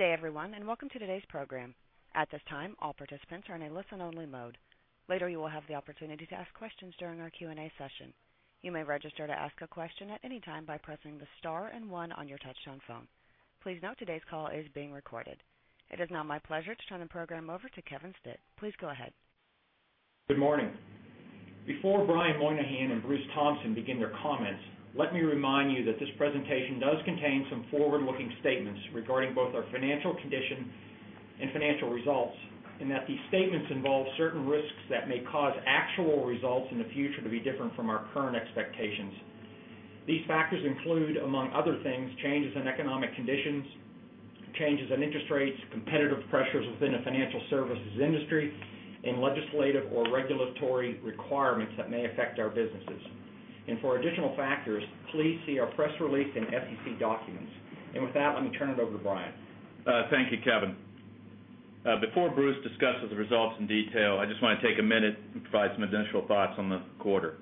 Good day, everyone, and welcome to today's program. At this time, all participants are in a listen-only mode. Later, you will have the opportunity to ask questions during our Q&A session. You may register to ask a question at any time by pressing the star and one on your touch-tone phone. Please note today's call is being recorded. It is now my pleasure to turn the program over to Kevin Stitt. Please go ahead. Good morning. Before Brian Moynihan and Bruce Thompson begin their comments, let me remind you that this presentation does contain some forward-looking statements regarding both our financial condition and financial results, and that these statements involve certain risks that may cause actual results in the future to be different from our current expectations. These factors include, among other things, changes in economic conditions, changes in interest rates, competitive pressures within the financial services industry, legislative or regulatory requirements that may affect our businesses. For additional factors, please see our press release and FTC documents. With that, let me turn it over to Brian. Thank you, Kevin. Before Bruce discusses the results in detail, I just want to take a minute and provide some additional thoughts on the quarter.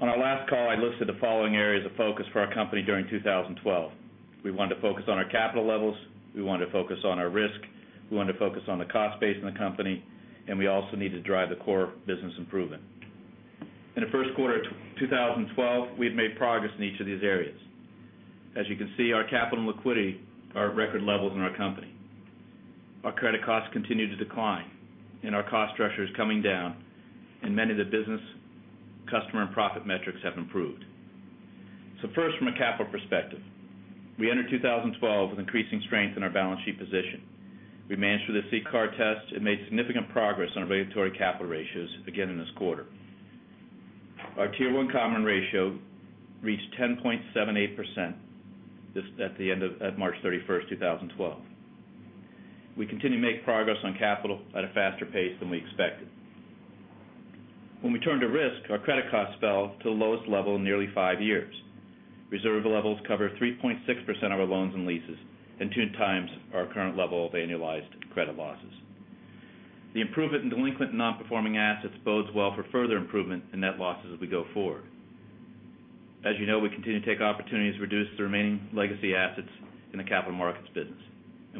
On our last call, I listed the following areas of focus for our company during 2012. We wanted to focus on our capital levels. We wanted to focus on our risk. We wanted to focus on the cost base in the company. We also needed to drive the core business improvement. In the first quarter of 2012, we had made progress in each of these areas. As you can see, our capital and liquidity are at record levels in our company. Our credit costs continue to decline, and our cost structure is coming down. Many of the business, customer, and profit metrics have improved. First, from a capital perspective, we entered 2012 with increasing strength in our balance sheet position. We managed through the SEC card test and made significant progress on our regulatory capital ratios again in this quarter. Our Tier 1 common ratio reached 10.78% at the end of March 31, 2012. We continue to make progress on capital at a faster pace than we expected. When we turn to risk, our credit costs fell to the lowest level in nearly five years. Reserve levels cover 3.6% of our loans and leases and two times our current level of annualized credit losses. The improvement in delinquent and non-performing assets bodes well for further improvement in net losses as we go forward. As you know, we continue to take opportunities to reduce the remaining legacy assets in the capital markets business.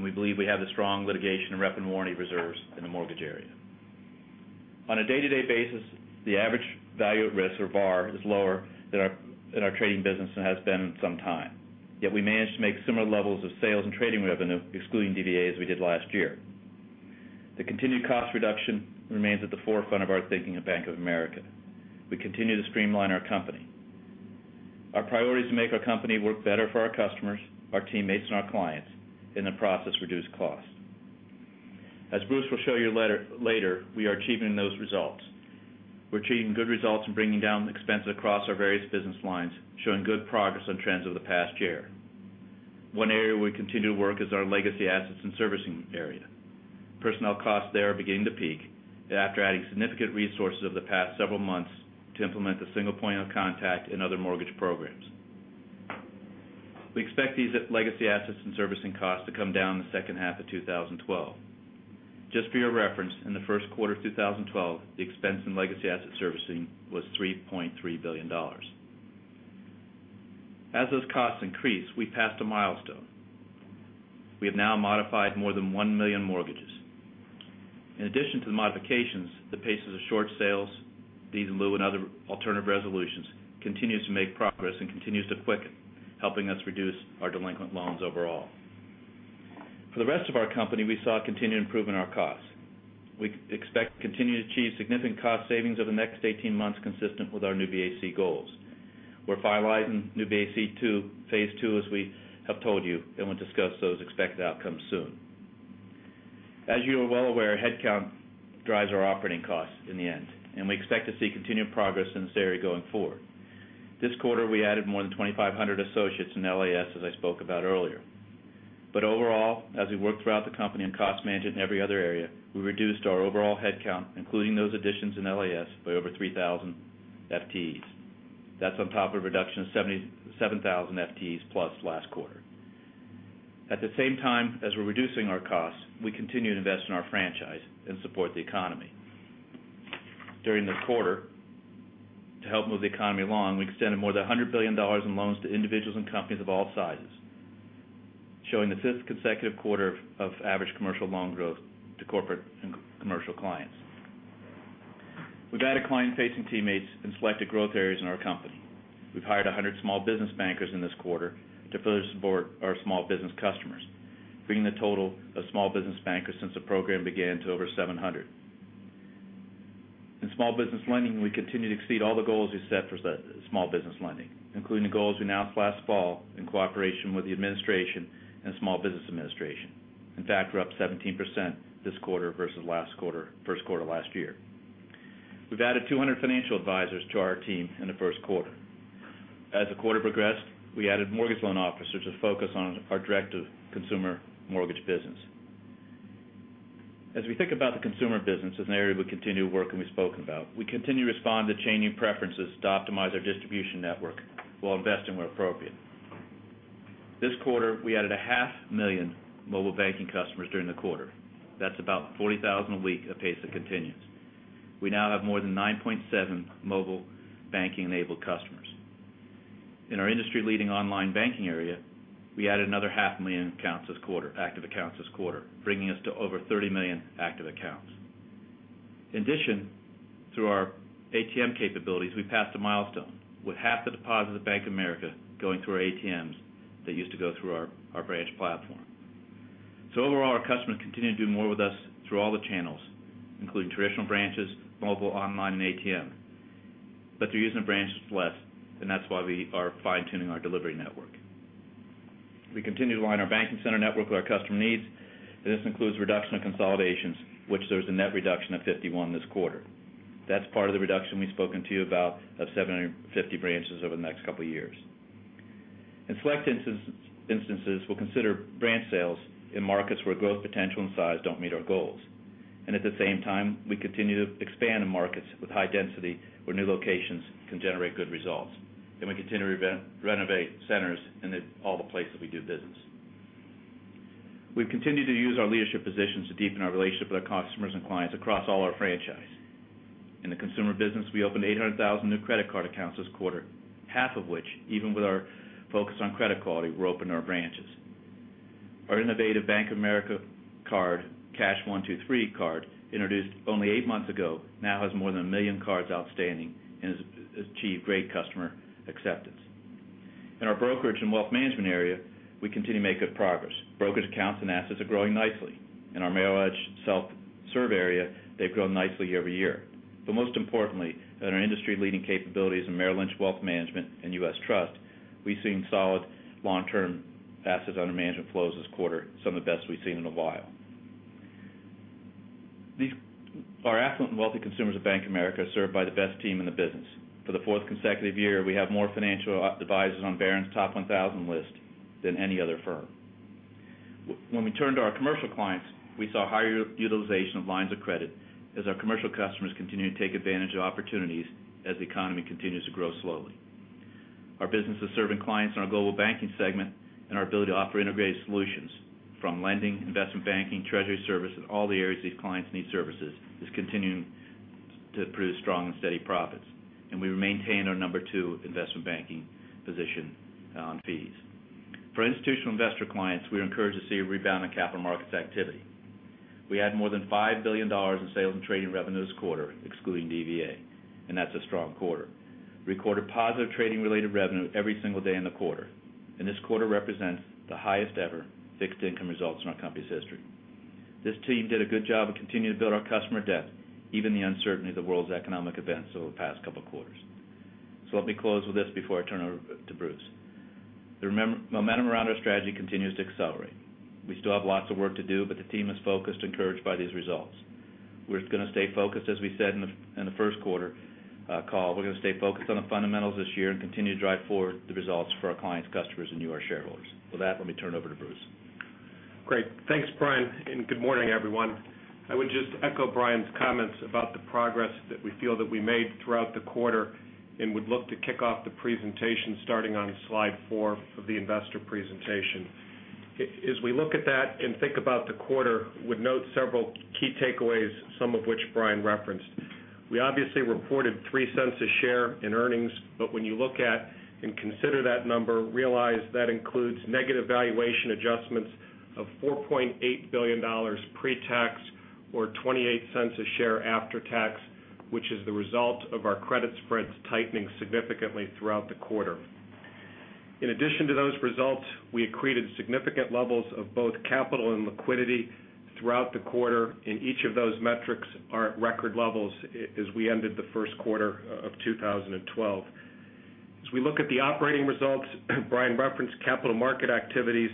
We believe we have the strong litigation and rep and warranty reserves in the mortgage area. On a day-to-day basis, the average value at risk, or VAR, is lower than our trading business has been in some time. Yet we managed to make similar levels of sales and trading revenue, excluding DDAs, as we did last year. The continued cost reduction remains at the forefront of our thinking at Bank of America. We continue to streamline our company. Our priority is to make our company work better for our customers, our teammates, and our clients, and in the process, reduce cost. As Bruce will show you later, we are achieving those results. We're achieving good results in bringing down the expenses across our various business lines, showing good progress on trends over the past year. One area we continue to work is our legacy assets and servicing area. Personnel costs there are beginning to peak after adding significant resources over the past several months to implement the single point of contact and other mortgage programs. We expect these legacy assets and servicing costs to come down in the second half of 2012. Just for your reference, in the first quarter of 2012, the expense in legacy asset servicing was $3.3 billion. As those costs increase, we passed a milestone. We have now modified more than $1 million mortgages. In addition to the modifications, the paces of short sales, deeds, and other alternative resolutions continue to make progress and continue to quicken, helping us reduce our delinquent loans overall. For the rest of our company, we saw continued improvement in our costs. We expect to continue to achieve significant cost savings over the next 18 months, consistent with our New BAC goals. We're finalizing New BAC phase II, as we have told you, and we'll discuss those expected outcomes soon. As you are well aware, headcount drives our operating costs in the end, and we expect to see continued progress in this area going forward. This quarter, we added more than 2,500 associates in LAS, as I spoke about earlier. Overall, as we work throughout the company in cost management and every other area, we reduced our overall headcount, including those additions in LAS, by over 3,000 FTEs. That's on top of a reduction of 77,000 FTEs plus last quarter. At the same time as we're reducing our costs, we continue to invest in our franchise and support the economy. During the quarter, to help move the economy along, we extended more than $100 billion in loans to individuals and companies of all sizes, showing the fifth consecutive quarter of average commercial loan growth to corporate and commercial clients. We've added client-facing teammates in selected growth areas in our company. We've hired 100 small business bankers in this quarter to further support our small business customers, bringing the total of small business bankers since the program began to over 700. In small business lending, we continue to exceed all the goals we set for small business lending, including the goals we announced last fall in cooperation with the administration and Small Business Administration. In fact, we're up 17% this quarter versus last quarter, first quarter last year. We've added 200 financial advisors to our team in the first quarter. As the quarter progressed, we added mortgage loan officers to focus on our direct-to-consumer mortgage business. As we think about the consumer business as an area we continue to work and we've spoken about, we continue to respond to changing preferences to optimize our distribution network while investing where appropriate. This quarter, we added a half million mobile banking customers during the quarter. That's about 40,000 a week of pace that continues. We now have more than 9.7 million mobile banking-enabled customers. In our industry-leading online banking area, we added another half million active accounts this quarter, bringing us to over 30 million active accounts. In addition, through our ATM capabilities, we passed a milestone with half the deposits at Bank of America going through our ATMs that used to go through our branch platform. Overall, our customers continue to do more with us through all the channels, including traditional branches, mobile, online, and ATM. They're using the branches less, and that's why we are fine-tuning our delivery network. We continue to align our banking center network with our customer needs, and this includes reduction of consolidations, with a net reduction of 51 this quarter. That's part of the reduction we've spoken to you about of 750 branches over the next couple of years. In select instances, we'll consider branch sales in markets where growth potential and size don't meet our goals. At the same time, we continue to expand in markets with high density where new locations can generate good results. We continue to renovate centers in all the places we do business. We've continued to use our leadership positions to deepen our relationship with our customers and clients across all our franchise. In the consumer business, we opened 800,000 new credit card accounts this quarter, half of which, even with our focus on credit quality, were opened in our branches. Our innovative Bank of America card, FAS 123 card, introduced only eight months ago, now has more than a million cards outstanding and has achieved great customer acceptance. In our brokerage and wealth management area, we continue to make good progress. Brokerage accounts and assets are growing nicely. In our Merrill Lynch self-serve area, they've grown nicely year-over-year. Most importantly, in our industry-leading capabilities in Merrill Lynch Wealth Management and U.S. Trust, we've seen solid long-term assets under management flows this quarter, some of the best we've seen in a while. These are affluent and wealthy consumers of Bank of America served by the best team in the business. For the fourth consecutive year, we have more financial advisors on Barron's top 1,000 list than any other firm. When we turned to our commercial clients, we saw higher utilization of lines of credit as our commercial customers continue to take advantage of opportunities as the economy continues to grow slowly. Our business is serving clients in our Global Banking segment, and our ability to offer integrated solutions from lending, investment banking, treasury services, and all the areas these clients need services is continuing to produce strong and steady profits. We maintain our number two investment banking position on fees. For institutional investor clients, we're encouraged to see a rebound in capital markets activity. We had more than $5 billion in sales and trading revenue this quarter, excluding DVA, and that's a strong quarter. We recorded positive trading-related revenue every single day in the quarter, and this quarter represents the highest ever fixed income results in our company's history. This team did a good job of continuing to build our customer depth, even in the uncertainty of the world's economic events over the past couple of quarters. Let me close with this before I turn it over to Bruce. The momentum around our strategy continues to accelerate. We still have lots of work to do, but the team is focused and encouraged by these results. We're going to stay focused, as we said in the first quarter call. We're going to stay focused on the fundamentals this year and continue to drive forward the results for our clients, customers, and you, our shareholders. With that, let me turn it over to Bruce. Great. Thanks, Brian, and good morning, everyone. I would just echo Brian's comments about the progress that we feel that we made throughout the quarter and would look to kick off the presentation starting on slide four of the investor presentation. As we look at that and think about the quarter, would note several key takeaways, some of which Brian referenced. We obviously reported $0.03 a share in earnings, but when you look at and consider that number, realize that includes negative valuation adjustments of $4.8 billion pre-tax or $0.28 a share after tax, which is the result of our credit spreads tightening significantly throughout the quarter. In addition to those results, we accreted significant levels of both capital and liquidity throughout the quarter, and each of those metrics are at record levels as we ended the first quarter of 2012. As we look at the operating results, Brian referenced capital market activities,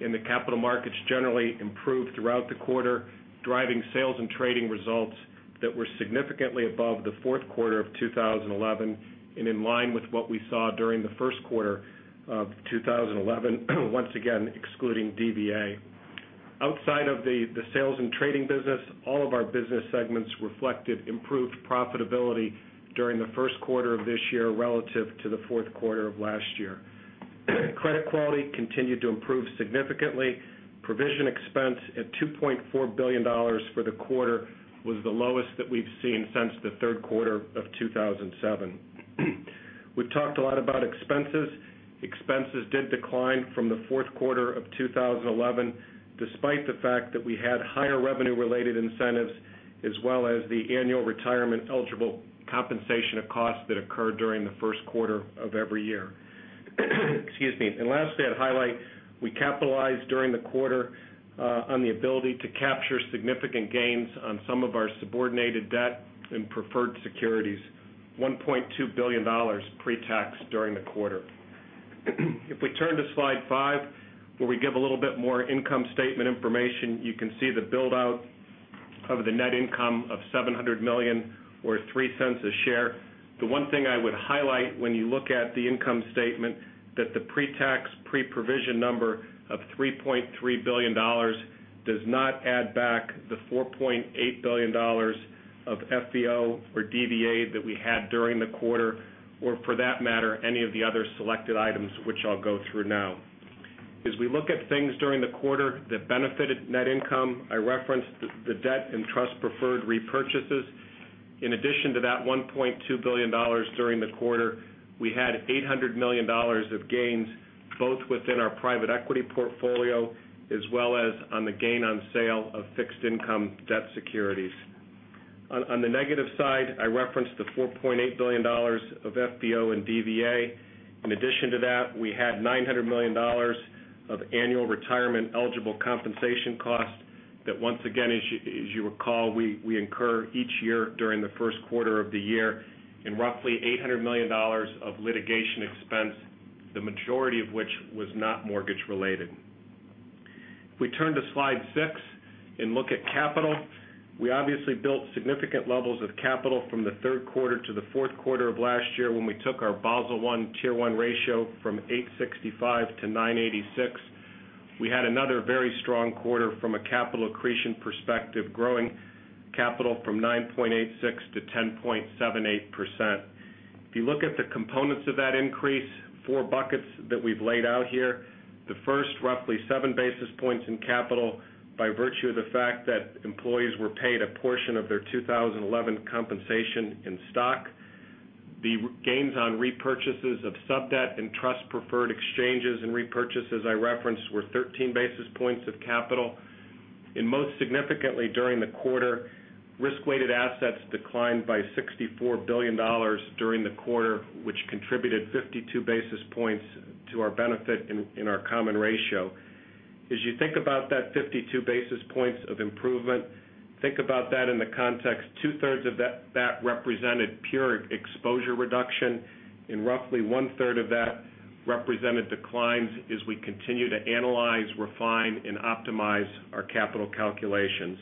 and the capital markets generally improved throughout the quarter, driving sales and trading results that were significantly above the fourth quarter of 2011 and in line with what we saw during the first quarter of 2011, once again excluding DVA. Outside of the sales and trading business, all of our business segments reflected improved profitability during the first quarter of this year relative to the fourth quarter of last year. Credit quality continued to improve significantly. Provision expense at $2.4 billion for the quarter was the lowest that we've seen since the third quarter of 2007. We've talked a lot about expenses. Expenses did decline from the fourth quarter of 2011 despite the fact that we had higher revenue-related incentives as well as the annual retirement eligible compensation of costs that occurred during the first quarter of every year. Excuse me. Lastly, I'd highlight we capitalized during the quarter on the ability to capture significant gains on some of our subordinated debt and preferred securities, $1.2 billion pre-tax during the quarter. If we turn to slide five, where we give a little bit more income statement information, you can see the build-out of the net income of $700 million or $0.03 a share. The one thing I would highlight when you look at the income statement is that the pre-tax pre-provision number of $3.3 billion does not add back the $4.8 billion of FVO or DVA that we had during the quarter, or for that matter, any of the other selected items, which I'll go through now. As we look at things during the quarter that benefited net income, I referenced the debt and trust preferred repurchases. In addition to that $1.2 billion during the quarter, we had $800 million of gains, both within our private equity portfolio as well as on the gain on sale of fixed income debt securities. On the negative side, I referenced the $4.8 billion of FVO and DVA. In addition to that, we had $900 million of annual retirement eligible compensation cost that, once again, as you recall, we incur each year during the first quarter of the year, and roughly $800 million of litigation expense, the majority of which was not mortgage-related. If we turn to slide six and look at capital, we obviously built significant levels of capital from the third quarter to the fourth quarter of last year when we took our Basel I Tier 1 ratio from 8.65%-9.86%. We had another very strong quarter from a capital accretion perspective, growing capital from 9.86%-10.78%. If you look at the components of that increase, four buckets that we've laid out here, the first roughly seven basis points in capital by virtue of the fact that employees were paid a portion of their 2011 compensation in stock. The gains on repurchases of sub debt and trust preferred exchanges and repurchases I referenced were 13 basis points of capital. Most significantly during the quarter, risk-weighted assets declined by $64 billion during the quarter, which contributed 52 basis points to our benefit in our common ratio. As you think about that 52 basis points of improvement, think about that in the context that two-thirds of that represented pure exposure reduction, and roughly one-third of that represented declines as we continue to analyze, refine, and optimize our capital calculations.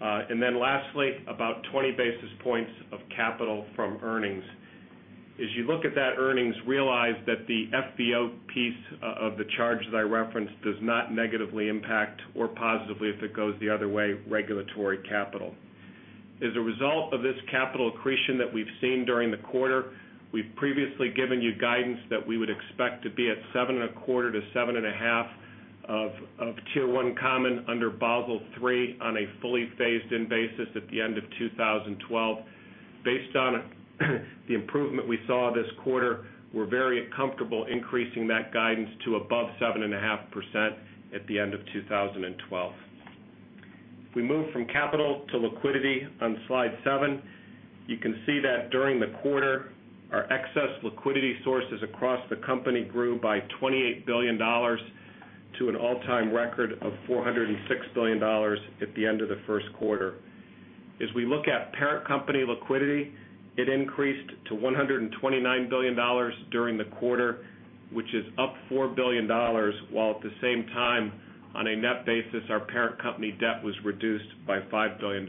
Lastly, about 20 basis points of capital from earnings. As you look at that earnings, realize that the FVO piece of the charge that I referenced does not negatively impact or positively, if it goes the other way, regulatory capital. As a result of this capital accretion that we've seen during the quarter, we've previously given you guidance that we would expect to be at 7.25%-7.5% of Tier 1 common under Basel III on a fully phased-in basis at the end of 2012. Based on the improvement we saw this quarter, we're very comfortable increasing that guidance to above 7.5% at the end of 2012. We move from capital to liquidity on slide seven. You can see that during the quarter, our excess liquidity sources across the company grew by $28 billion to an all-time record of $406 billion at the end of the first quarter. As we look at parent company liquidity, it increased to $129 billion during the quarter, which is up $4 billion, while at the same time, on a net basis, our parent company debt was reduced by $5 billion.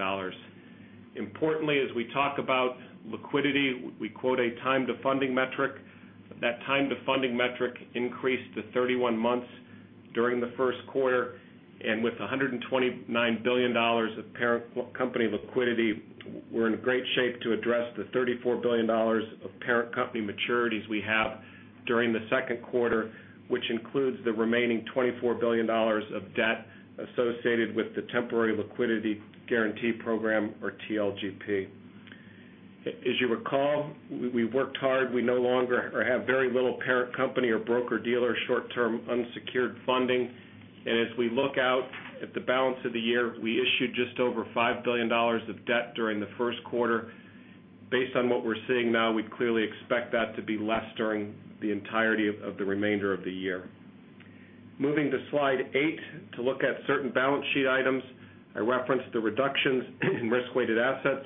Importantly, as we talk about liquidity, we quote a time to funding metric. That time to funding metric increased to 31 months during the first quarter. With $129 billion of parent company liquidity, we're in great shape to address the $34 billion of parent company maturities we have during the second quarter, which includes the remaining $24 billion of debt associated with the temporary liquidity guarantee program or TLGP. As you recall, we worked hard. We no longer have very little parent company or broker-dealer short-term unsecured funding. As we look out at the balance of the year, we issued just over $5 billion of debt during the first quarter. Based on what we're seeing now, we'd clearly expect that to be less during the entirety of the remainder of the year. Moving to slide eight to look at certain balance sheet items, I referenced the reductions in risk-weighted assets.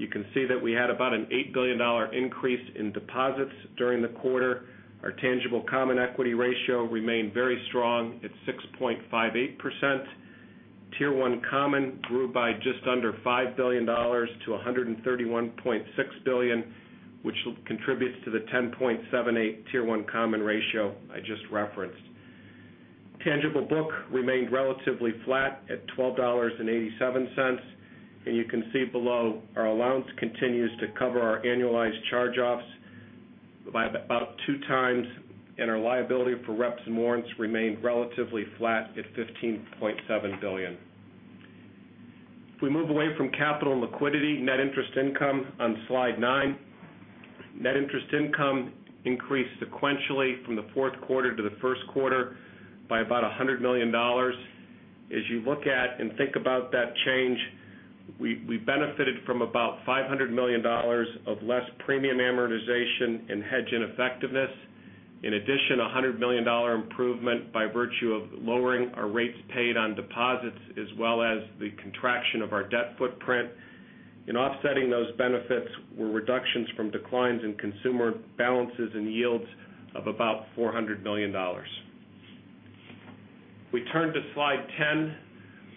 You can see that we had about an $8 billion increase in deposits during the quarter. Our tangible common equity ratio remained very strong at 6.58%. Tier 1 common grew by just under $5 billion to $131.6 billion, which contributes to the 10.78% Tier 1 common ratio I just referenced. Tangible book remained relatively flat at $12.87. You can see below, our allowance continues to cover our annualized charge-offs by about two times, and our liability for reps and warrants remained relatively flat at $15.7 billion. If we move away from capital and liquidity, net interest income on slide nine, net interest income increased sequentially from the fourth quarter to the first quarter by about $100 million. As you look at and think about that change, we benefited from about $500 million of less premium amortization and hedge ineffectiveness. In addition, a $100 million improvement by virtue of lowering our rates paid on deposits, as well as the contraction of our debt footprint. In offsetting those benefits, were reductions from declines in consumer balances and yields of about $400 million. We turn to slide 10.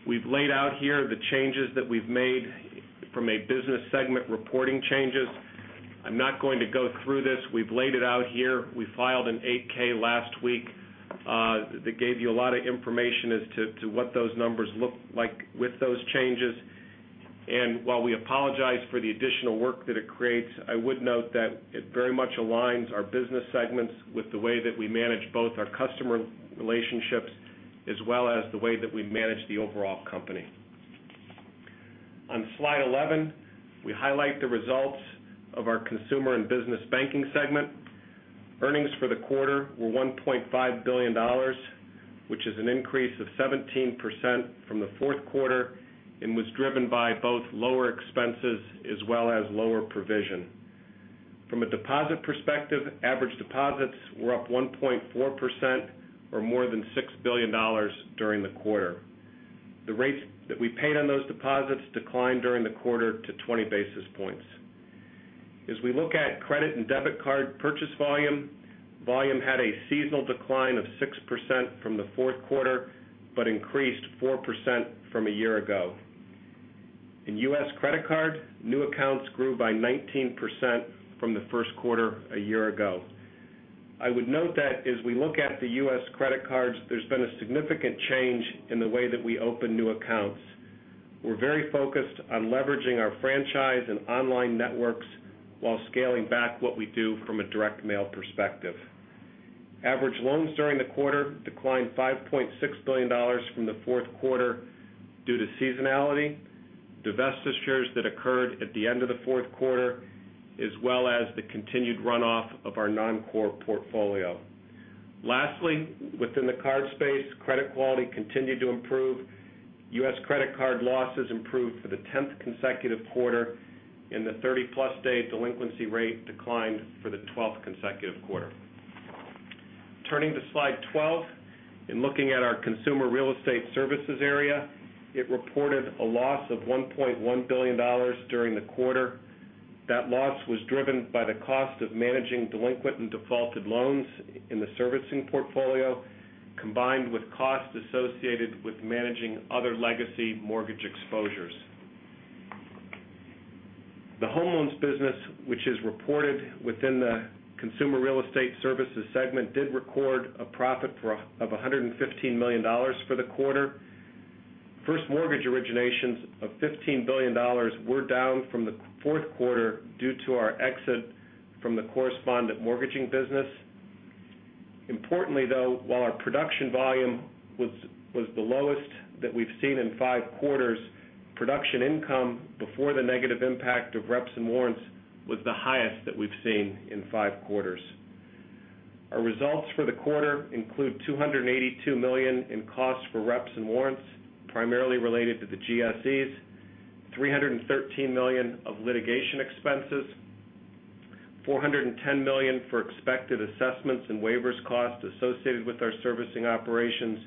We've laid out here the changes that we've made from a business segment reporting changes. I'm not going to go through this. We've laid it out here. We filed an 8-K last week that gave you a lot of information as to what those numbers look like with those changes. While we apologize for the additional work that it creates, I would note that it very much aligns our business segments with the way that we manage both our customer relationships as well as the way that we manage the overall company. On slide 11, we highlight the results of our Consumer and Business Banking segment. Earnings for the quarter were $1.5 billion, which is an increase of 17% from the fourth quarter and was driven by both lower expenses as well as lower provision. From a deposit perspective, average deposits were up 1.4% or more than $6 billion during the quarter. The rates that we paid on those deposits declined during the quarter to 20 basis points. As we look at credit and debit card purchase volume, volume had a seasonal decline of 6% from the fourth quarter, but increased 4% from a year ago. In U.S. credit card, new accounts grew by 19% from the first quarter a year ago. I would note that as we look at the U.S. credit cards, there's been a significant change in the way that we open new accounts. We're very focused on leveraging our franchise and online networks while scaling back what we do from a direct mail perspective. Average loans during the quarter declined $5.6 billion from the fourth quarter due to seasonality, divestitures that occurred at the end of the fourth quarter, as well as the continued runoff of our non-core portfolio. Lastly, within the card space, credit quality continued to improve. U.S. credit card losses improved for the 10th consecutive quarter, and the 30+ days delinquency rate declined for the 12th consecutive quarter. Turning to slide 12 and looking at our Consumer Real Estate Services area, it reported a loss of $1.1 billion during the quarter. That loss was driven by the cost of managing delinquent and defaulted loans in the servicing portfolio, combined with costs associated with managing other legacy mortgage exposures. The Home Loans business, which is reported within the Consumer Real Estate Services segment, did record a profit of $115 million for the quarter. First mortgage originations of $15 billion were down from the fourth quarter due to our exit from the correspondent mortgage lending business. Importantly, though, while our production volume was the lowest that we've seen in five quarters, production income before the negative impact of reps and warrants was the highest that we've seen in five quarters. Our results for the quarter include $282 million in costs for reps and warrants, primarily related to the GSEs, $313 million of litigation expenses, $410 million for expected assessments and waivers costs associated with our servicing operations,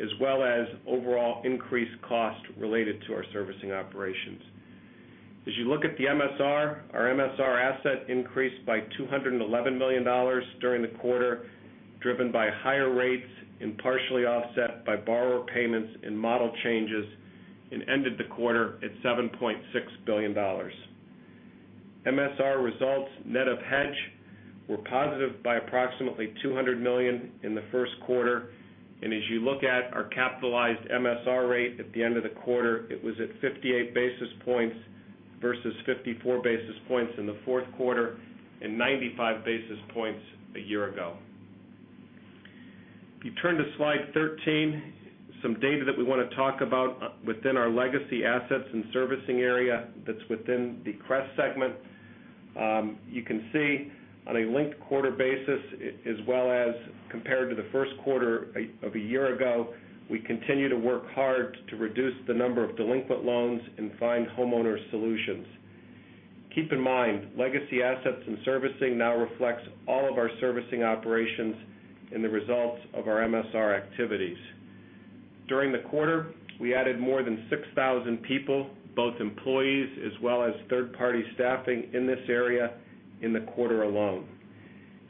as well as overall increased costs related to our servicing operations. As you look at the MSR, our MSR asset increased by $211 million during the quarter, driven by higher rates and partially offset by borrower payments and model changes, and ended the quarter at $7.6 billion. MSR results net of hedge were positive by approximately $200 million in the first quarter. As you look at our capitalized MSR rate at the end of the quarter, it was at 58 basis points versus 54 basis points in the fourth quarter and 95 basis points a year ago. If you turn to slide 13, some data that we want to talk about within our legacy assets and servicing area that's within the CREST segment. You can see on a linked quarter basis, as well as compared to the first quarter of a year ago, we continue to work hard to reduce the number of delinquent loans and find homeowner solutions. Keep in mind, legacy assets and servicing now reflect all of our servicing operations and the results of our MSR activities. During the quarter, we added more than 6,000 people, both employees as well as third-party staffing in this area in the quarter alone.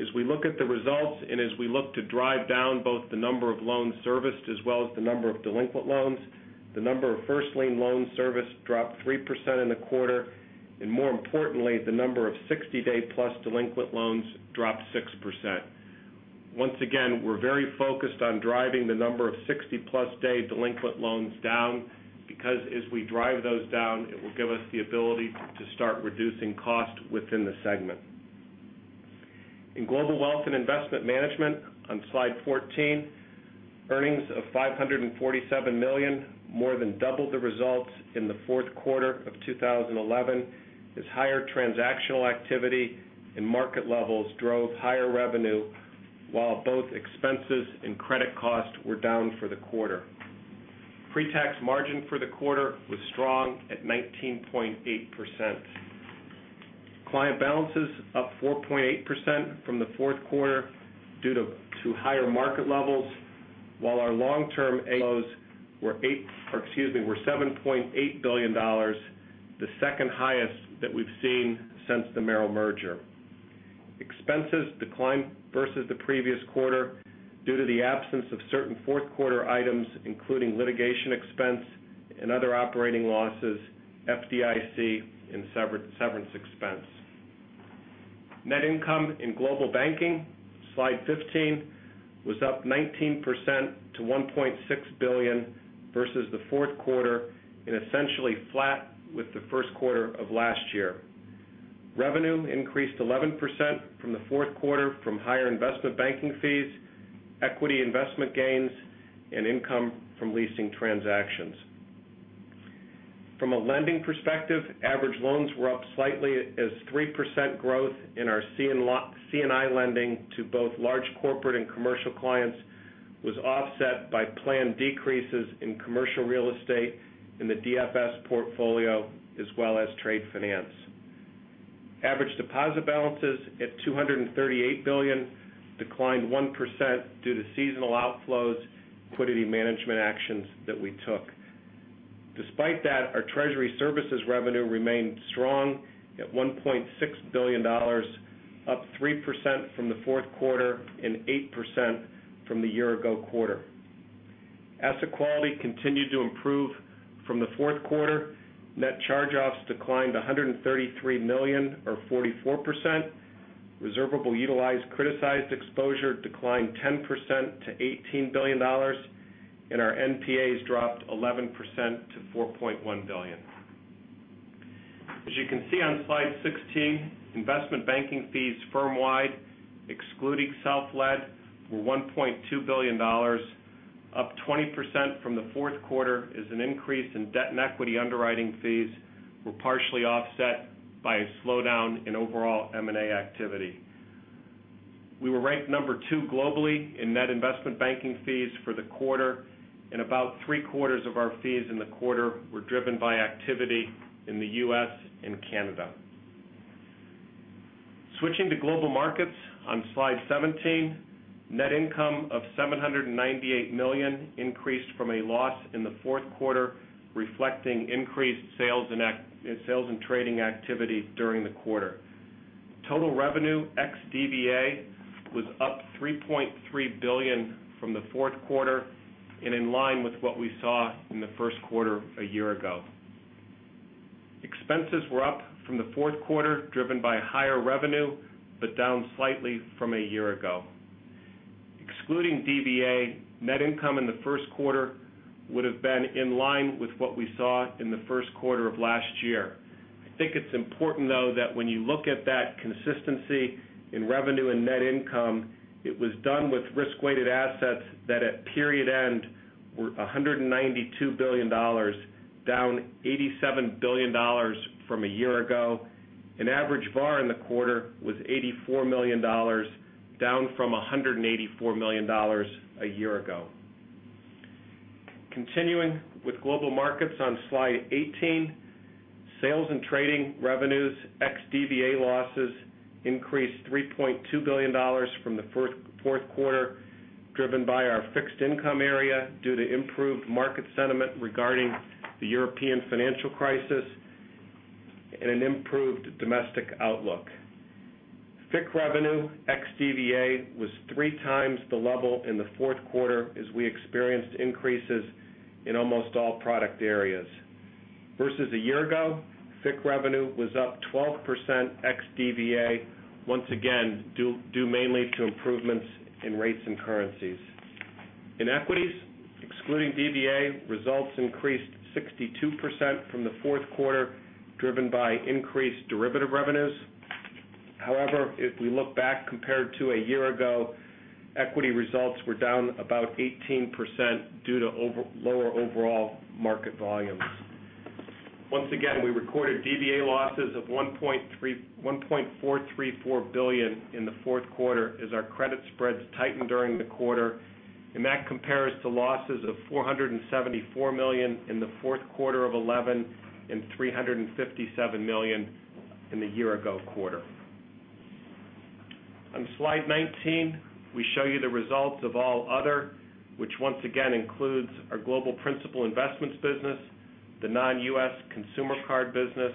As we look at the results and as we look to drive down both the number of loans serviced as well as the number of delinquent loans, the number of first lien loans serviced dropped 3% in the quarter. More importantly, the number of 60+ days delinquent loans dropped 6%. We are very focused on driving the number of 60+ days delinquent loans down because as we drive those down, it will give us the ability to start reducing costs within the segment. In Global Wealth and Investment Management, on slide 14, earnings of $547 million more than doubled the results in the fourth quarter of 2011 as higher transactional activity and market levels drove higher revenue, while both expenses and credit costs were down for the quarter. Pre-tax margin for the quarter was strong at 19.8%. Client balances up 4.8% from the fourth quarter due to higher market levels, while our long-term ALOs were $7.8 billion, the second highest that we've seen since the Merrill merger. Expenses declined versus the previous quarter due to the absence of certain fourth quarter items, including litigation expense and other operating losses, FDIC, and severance expense. Net income in Global Banking, slide 15, was up 19% to $1.6 billion versus the fourth quarter and essentially flat with the first quarter of last year. Revenue increased 11% from the fourth quarter from higher investment banking fees, equity investment gains, and income from leasing transactions. From a lending perspective, average loans were up slightly as 3% growth in our CNI lending to both large corporate and commercial clients was offset by planned decreases in commercial real estate in the DFS portfolio as well as trade finance. Average deposit balances at $238 billion declined 1% due to seasonal outflows, quantity management actions that we took. Despite that, our treasury services revenue remained strong at $1.6 billion, up 3% from the fourth quarter and 8% from the year ago quarter. Asset quality continued to improve from the fourth quarter. Net charge-offs declined $133 million or 44%. Reservable utilized criticized exposure declined 10% to $18 billion, and our NPAs dropped 11% to $4.1 billion. As you can see on slide 16, investment banking fees firm-wide, excluding self-led, were $1.2 billion, up 20% from the fourth quarter as an increase in debt and equity underwriting fees were partially offset by a slowdown in overall M&A activity. We were ranked number two globally in net investment banking fees for the quarter, and about three quarters of our fees in the quarter were driven by activity in the U.S. and Canada. Switching to Global Markets, on slide 17, net income of $798 million increased from a loss in the fourth quarter, reflecting increased sales and trading activity during the quarter. Total revenue ex-DVA was up $3.3 billion from the fourth quarter and in line with what we saw in the first quarter a year ago. Expenses were up from the fourth quarter, driven by higher revenue, but down slightly from a year ago. Excluding DVA, net income in the first quarter would have been in line with what we saw in the first quarter of last year. I think it's important, though, that when you look at that consistency in revenue and net income, it was done with risk-weighted assets that at period end were $192 billion, down $87 billion from a year ago. An average VAR in the quarter was $84 million, down from $184 million a year ago. Continuing with Global Markets, on slide 18, sales and trading revenues ex-DVA losses increased $3.2 billion from the fourth quarter, driven by our fixed income area due to improved market sentiment regarding the European financial crisis and an improved domestic outlook. Fixed revenue ex-DVA was three times the level in the fourth quarter as we experienced increases in almost all product areas. Versus a year ago, fixed revenue was up 12% ex-DVA, once again due mainly to improvements in rates and currencies. In equities, excluding DVA, results increased 62% from the fourth quarter, driven by increased derivative revenues. However, if we look back compared to a year ago, equity results were down about 18% due to lower overall market volumes. Once again, we recorded DVA losses of $1.434 billion in the fourth quarter as our credit spreads tightened during the quarter, and that compares to losses of $474 million in the fourth quarter of 2011 and $357 million in the year ago quarter. On slide 19, we show you the results of all other, which once again includes our Global Principal Investments business, the non-U.S. consumer card business,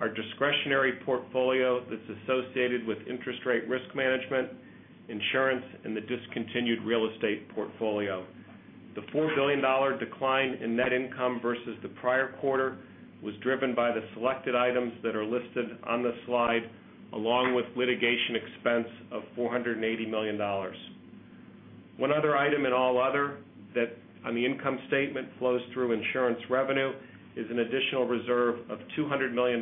our discretionary portfolio that's associated with interest rate risk management, insurance, and the discontinued real estate portfolio. The $4 billion decline in net income versus the prior quarter was driven by the selected items that are listed on the slide, along with litigation expense of $480 million. One other item in all other that on the income statement flows through insurance revenue is an additional reserve of $200 million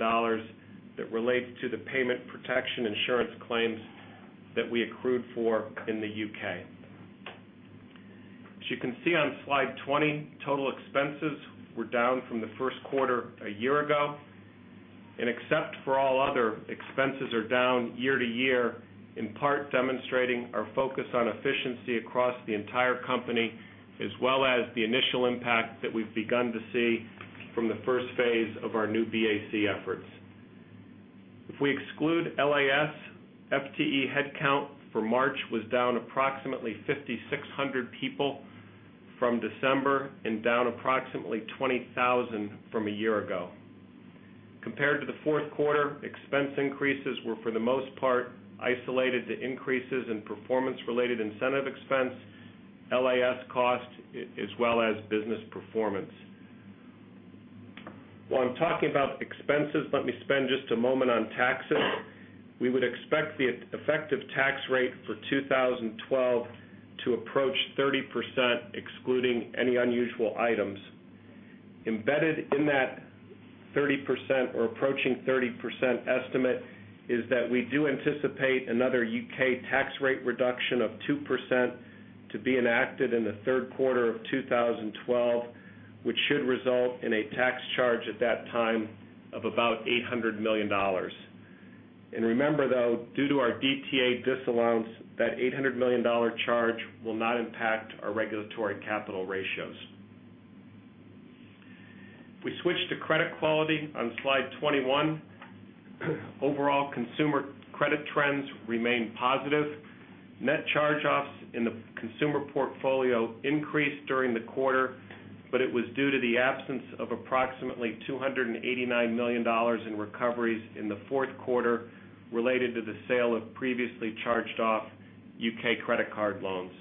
that relates to the payment protection insurance claims that we accrued for in the U.K. As you can see on slide 20, total expenses were down from the first quarter a year ago. Except for all other, expenses are down year to year, in part demonstrating our focus on efFICCiency across the entire company, as well as the initial impact that we've begun to see from the first phase of our New BAC efforts. If we exclude LAS, FTE headcount for March was down approximately 5,600 people from December and down approximately 20,000 from a year ago. Compared to the fourth quarter, expense increases were for the most part isolated to increases in performance-related incentive expense, LAS cost, as well as business performance. While I'm talking about expenses, let me spend just a moment on taxes. We would expect the effective tax rate for 2012 to approach 30%, excluding any unusual items. Embedded in that 30% or approaching 30% estimate is that we do anticipate another U.K. tax rate reduction of 2% to be enacted in the third quarter of 2012, which should result in a tax charge at that time of about $800 million. Remember, though, due to our DTA disallowance, that $800 million charge will not impact our regulatory capital ratios. If we switch to credit quality on slide 21, overall consumer credit trends remain positive. Net charge-offs in the consumer portfolio increased during the quarter, but it was due to the absence of approximately $289 million in recoveries in the fourth quarter related to the sale of previously charged off U.K. credit card loans.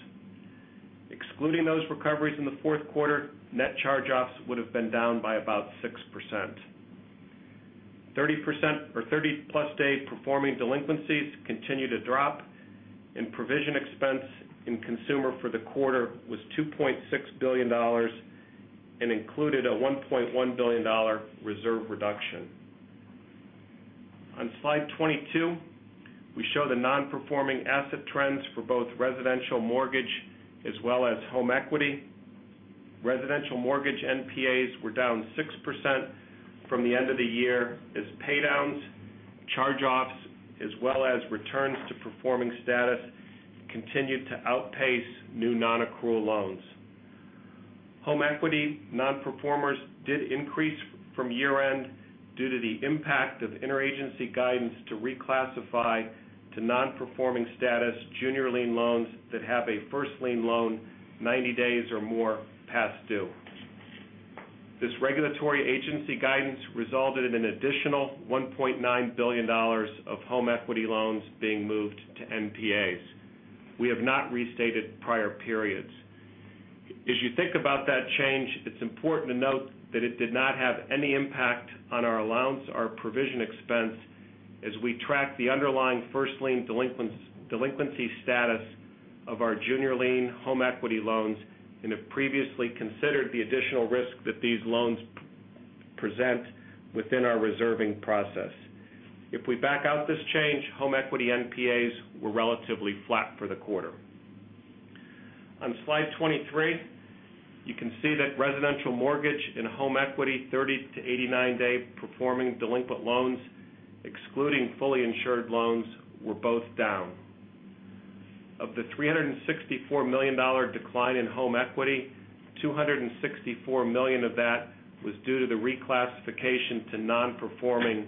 Excluding those recoveries in the fourth quarter, net charge-offs would have been down by about 6%. 30+ days performing delinquencies continue to drop, and provision expense in consumer for the quarter was $2.6 billion and included a $1.1 billion reserve reduction. On slide 22, we show the non-performing asset trends for both residential mortgage as well as home equity. Residential mortgage NPAs were down 6% from the end of the year as paydowns, charge-offs, as well as returns to performing status continued to outpace new non-accrual loans. Home equity non-performers did increase from year end due to the impact of interagency guidance to reclassify to non-performing status junior lien loans that have a first lien loan 90 days or more past due. This regulatory agency guidance resulted in an additional $1.9 billion of home equity loans being moved to NPAs. We have not restated prior periods. As you think about that change, it's important to note that it did not have any impact on our allowance or provision expense as we track the underlying first lien delinquency status of our junior lien home equity loans and have previously considered the additional risk that these loans present within our reserving process. If we back out this change, home equity NPAs were relatively flat for the quarter. On slide 23, you can see that residential mortgage and home equity 30 to 89-day performing delinquent loans, excluding fully insured loans, were both down. Of the $364 million decline in home equity, $264 million of that was due to the reclassiFICCation to non-performing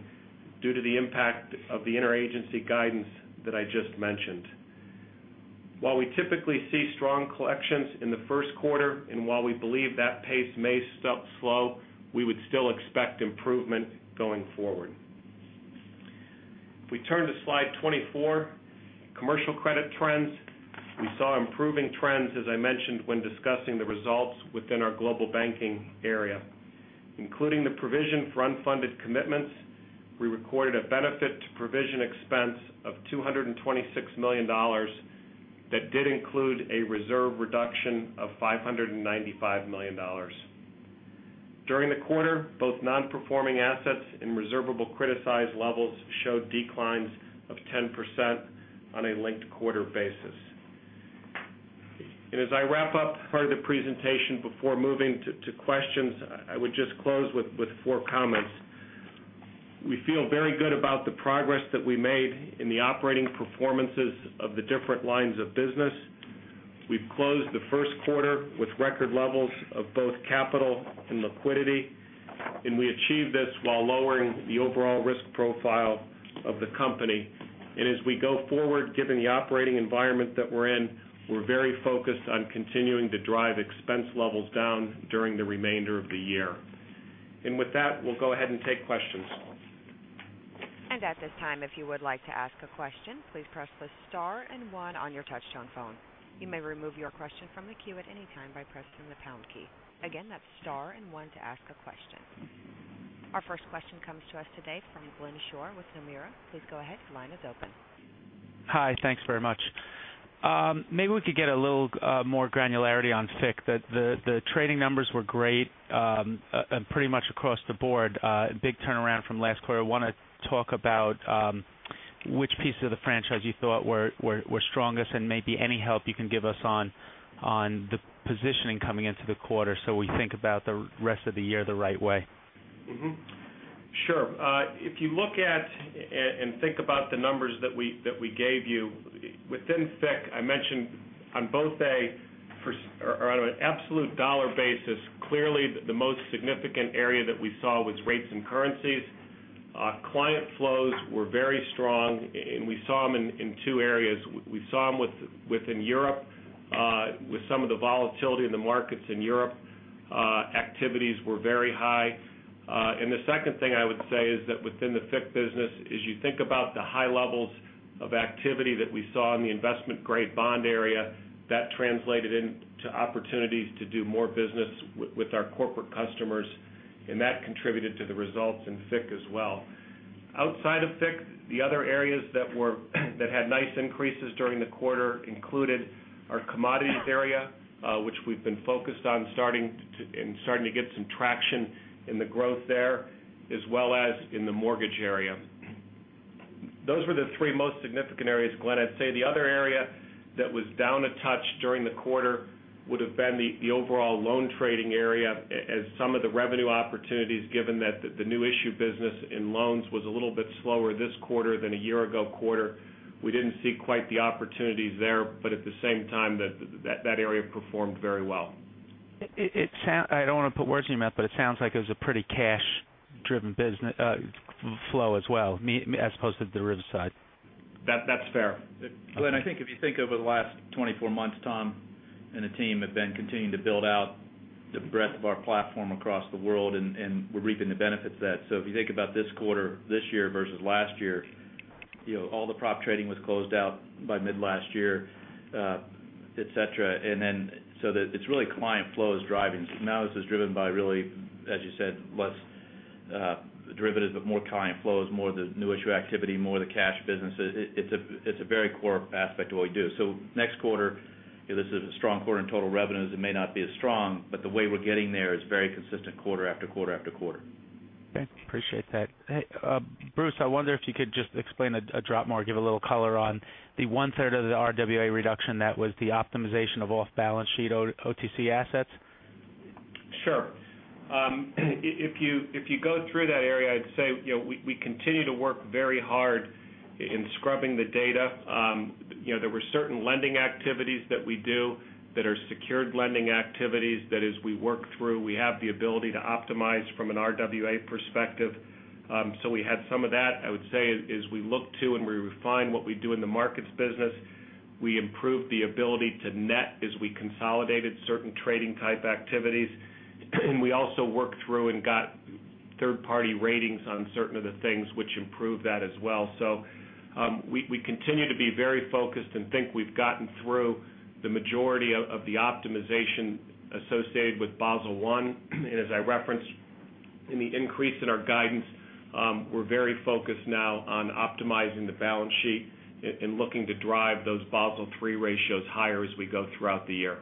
due to the impact of the interagency guidance that I just mentioned. While we typically see strong collections in the first quarter and while we believe that pace may slow, we would still expect improvement going forward. If we turn to slide 24, commercial credit trends, we saw improving trends, as I mentioned when discussing the results within our Global Banking area. Including the provision for unfunded commitments, we recorded a benefit to provision expense of $226 million that did include a reserve reduction of $595 million. During the quarter, both non-performing assets and reservable criticized levels showed declines of 10% on a linked quarter basis. As I wrap up part of the presentation before moving to questions, I would just close with four comments. We feel very good about the progress that we made in the operating performances of the different lines of business. We've closed the first quarter with record levels of both capital and liquidity, and we achieved this while lowering the overall risk profile of the company. As we go forward, given the operating environment that we're in, we're very focused on continuing to drive expense levels down during the remainder of the year. With that, we'll go ahead and take questions. At this time, if you would like to ask a question, please press the star and one on your touch-tone phone. You may remove your question from the queue at any time by pressing the pound key. Again, that's star and one to ask a question. Our first question comes to us today from Glenn Schorr with Nomura. Please go ahead. The line is open. Hi. Thanks very much. Maybe we could get a little more granularity on FICC. The trading numbers were great and pretty much across the board, a big turnaround from last quarter. I want to talk about which pieces of the franchise you thought were strongest and maybe any help you can give us on the positioning coming into the quarter so we think about the rest of the year the right way. Sure. If you look at and think about the numbers that we gave you, within FICC, I mentioned on both a for or on an absolute dollar basis, clearly the most significant area that we saw was rates and currencies. Client flows were very strong, and we saw them in two areas. We saw them within Europe with some of the volatility in the markets in Europe. Activities were very high. The second thing I would say is that within the FICC business, as you think about the high levels of activity that we saw in the investment grade bond area, that translated into opportunities to do more business with our corporate customers, and that contributed to the results in FICC as well. Outside of FICC, the other areas that had nice increases during the quarter included our commodities area, which we've been focused on starting to get some traction in the growth there, as well as in the mortgage area. Those were the three most significant areas, Glen. The other area that was down a touch during the quarter would have been the overall loan trading area, as some of the revenue opportunities, given that the new issue business in loans was a little bit slower this quarter than a year ago quarter, we didn't see quite the opportunities there. At the same time, that area performed very well. I don't want to put words in your mouth, but it sounds like it was a pretty cash-driven business flow as well, as opposed to the Riverside. That's fair. Glen, I think if you think over the last 24 months, Tom and the team have been continuing to build out the breadth of our platform across the world, and we're reaping the benefits of that. If you think about this quarter, this year versus last year, all the prop trading was closed out by mid-last year, et cetera. It's really client flow that is driving. Now this is driven by really, as you said, less derivative, but more client flows, more the new issue activity, more the cash business. It's a very core aspect of what we do. Next quarter, this is a strong quarter in total revenues. It may not be as strong, but the way we're getting there is very consistent quarter after quarter after quarter. Okay. Appreciate that. Bruce, I wonder if you could just explain a drop more, give a little color on the one-third of the RWA reduction that was the optimization of off-balance sheet OTC assets. Sure. If you go through that area, I'd say we continue to work very hard in scrubbing the data. There were certain lending activities that we do that are secured lending activities that as we work through, we have the ability to optimize from an RWA perspective. We had some of that. I would say as we look to and we refine what we do in the markets business, we improved the ability to net as we consolidated certain trading type activities. We also worked through and got third-party ratings on certain of the things which improved that as well. We continue to be very focused and think we've gotten through the majority of the optimization associated with Basel III. As I referenced in the increase in our guidance, we're very focused now on optimizing the balance sheet and looking to drive those Basel III ratios higher as we go throughout the year.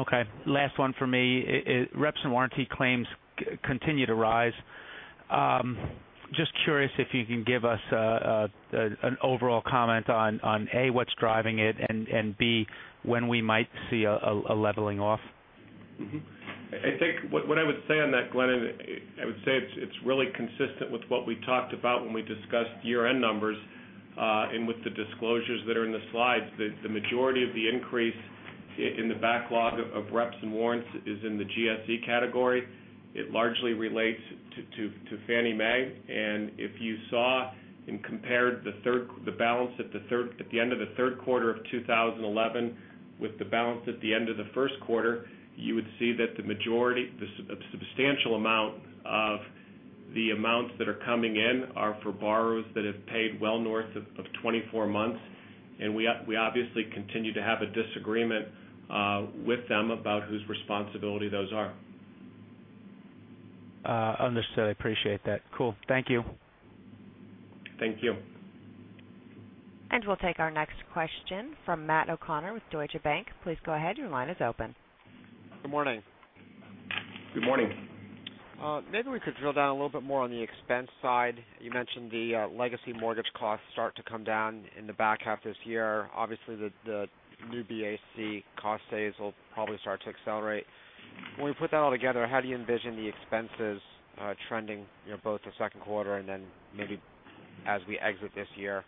Okay. Last one for me. Reps and warranty claims continue to rise. Just curious if you can give us an overall comment on, A, what's driving it, and B, when we might see a leveling off. I think what I would say on that, Glen, it's really consistent with what we talked about when we discussed year-end numbers and with the disclosures that are in the slides. The majority of the increase in the backlog of reps and warrants is in the GSE category. It largely relates to Fannie Mae. If you saw and compared the balance at the end of the third quarter of 2011 with the balance at the end of the first quarter, you would see that the majority, a substantial amount of the amounts that are coming in are for borrows that have paid well north of 24 months. We obviously continue to have a disagreement with them about whose responsibility those are. Understood. I appreciate that. Thank you. Thank you. We will take our next question from Matt O'Connor with Deutsche Bank. Please go ahead. Your line is open. Good morning. Good morning. Maybe we could drill down a little bit more on the expense side. You mentioned the legacy mortgage costs start to come down in the back half this year. Obviously, the New BAC cost saves will probably start to accelerate. When we put that all together, how do you envision the expenses trending both the second quarter and then maybe as we exit this year?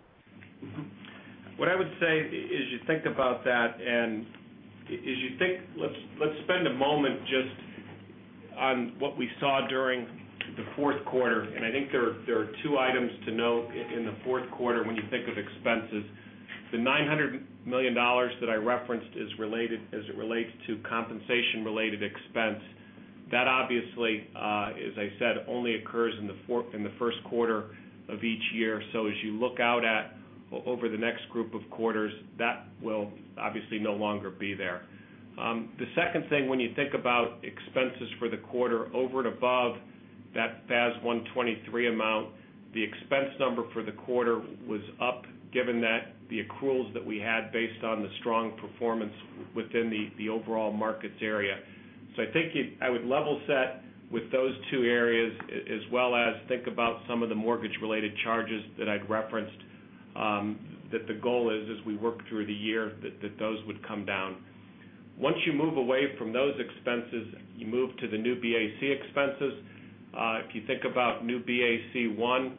What I would say is you think about that as you think let's spend a moment just on what we saw during the fourth quarter. I think there are two items to note in the fourth quarter when you think of expenses. The $900 million that I referenced is related as it relates to compensation-related expense. That obviously, as I said, only occurs in the first quarter of each year. As you look out over the next group of quarters, that will obviously no longer be there. The second thing, when you think about expenses for the quarter over and above that FAS 123 amount, the expense number for the quarter was up given that the accruals that we had were based on the strong performance within the overall markets area. I think I would level set with those two areas, as well as think about some of the mortgage-related charges that I'd referenced that the goal is as we work through the year that those would come down. Once you move away from those expenses, you move to the New BAC expenses. If you think about New BAC one,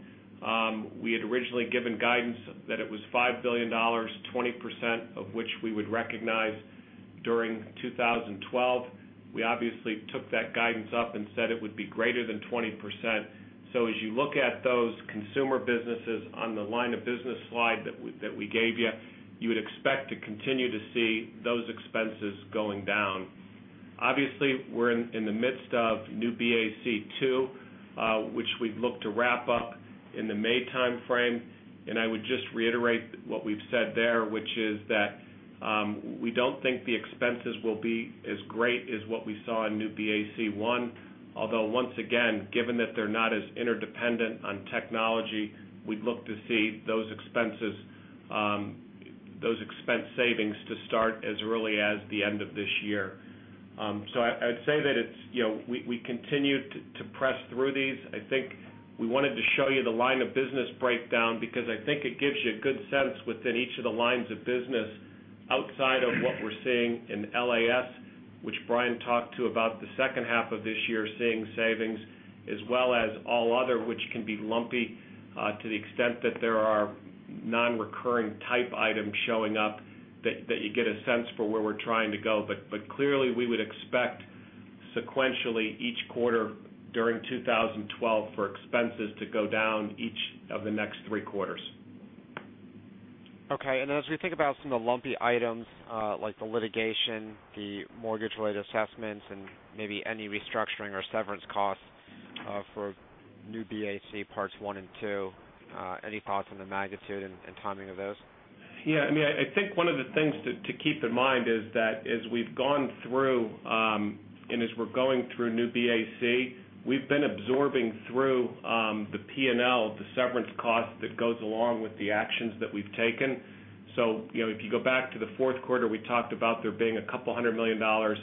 we had originally given guidance that it was $5 billion, 20% of which we would recognize during 2012. We obviously took that guidance up and said it would be greater than 20%. As you look at those consumer businesses on the line of business slide that we gave you, you would expect to continue to see those expenses going down. Obviously, we're in the midst of New BAC two, which we'd look to wrap up in the May timeframe. I would just reiterate what we've said there, which is that we don't think the expenses will be as great as what we saw in New BAC one. Although, once again, given that they're not as interdependent on technology, we'd look to see those expense savings to start as early as the end of this year. I would say that we continue to press through these. I think we wanted to show you the line of business breakdown because I think it gives you a good sense within each of the lines of business outside of what we're seeing in LAS, which Brian talked to about the second half of this year seeing savings, as well as all other, which can be lumpy to the extent that there are non-recurring type items showing up that you get a sense for where we're trying to go. Clearly, we would expect sequentially each quarter during 2012 for expenses to go down each of the next three quarters. As we think about some of the lumpy items like the litigation, the mortgage-related assessments, and maybe any restructuring or severance costs for New BAC parts one and two, any thoughts on the magnitude and timing of those? Yeah. I mean, I think one of the things to keep in mind is that as we've gone through and as we're going through New BAC, we've been absorbing through the P&L the severance cost that goes along with the actions that we've taken. If you go back to the fourth quarter, we talked about there being a couple hundred million dollars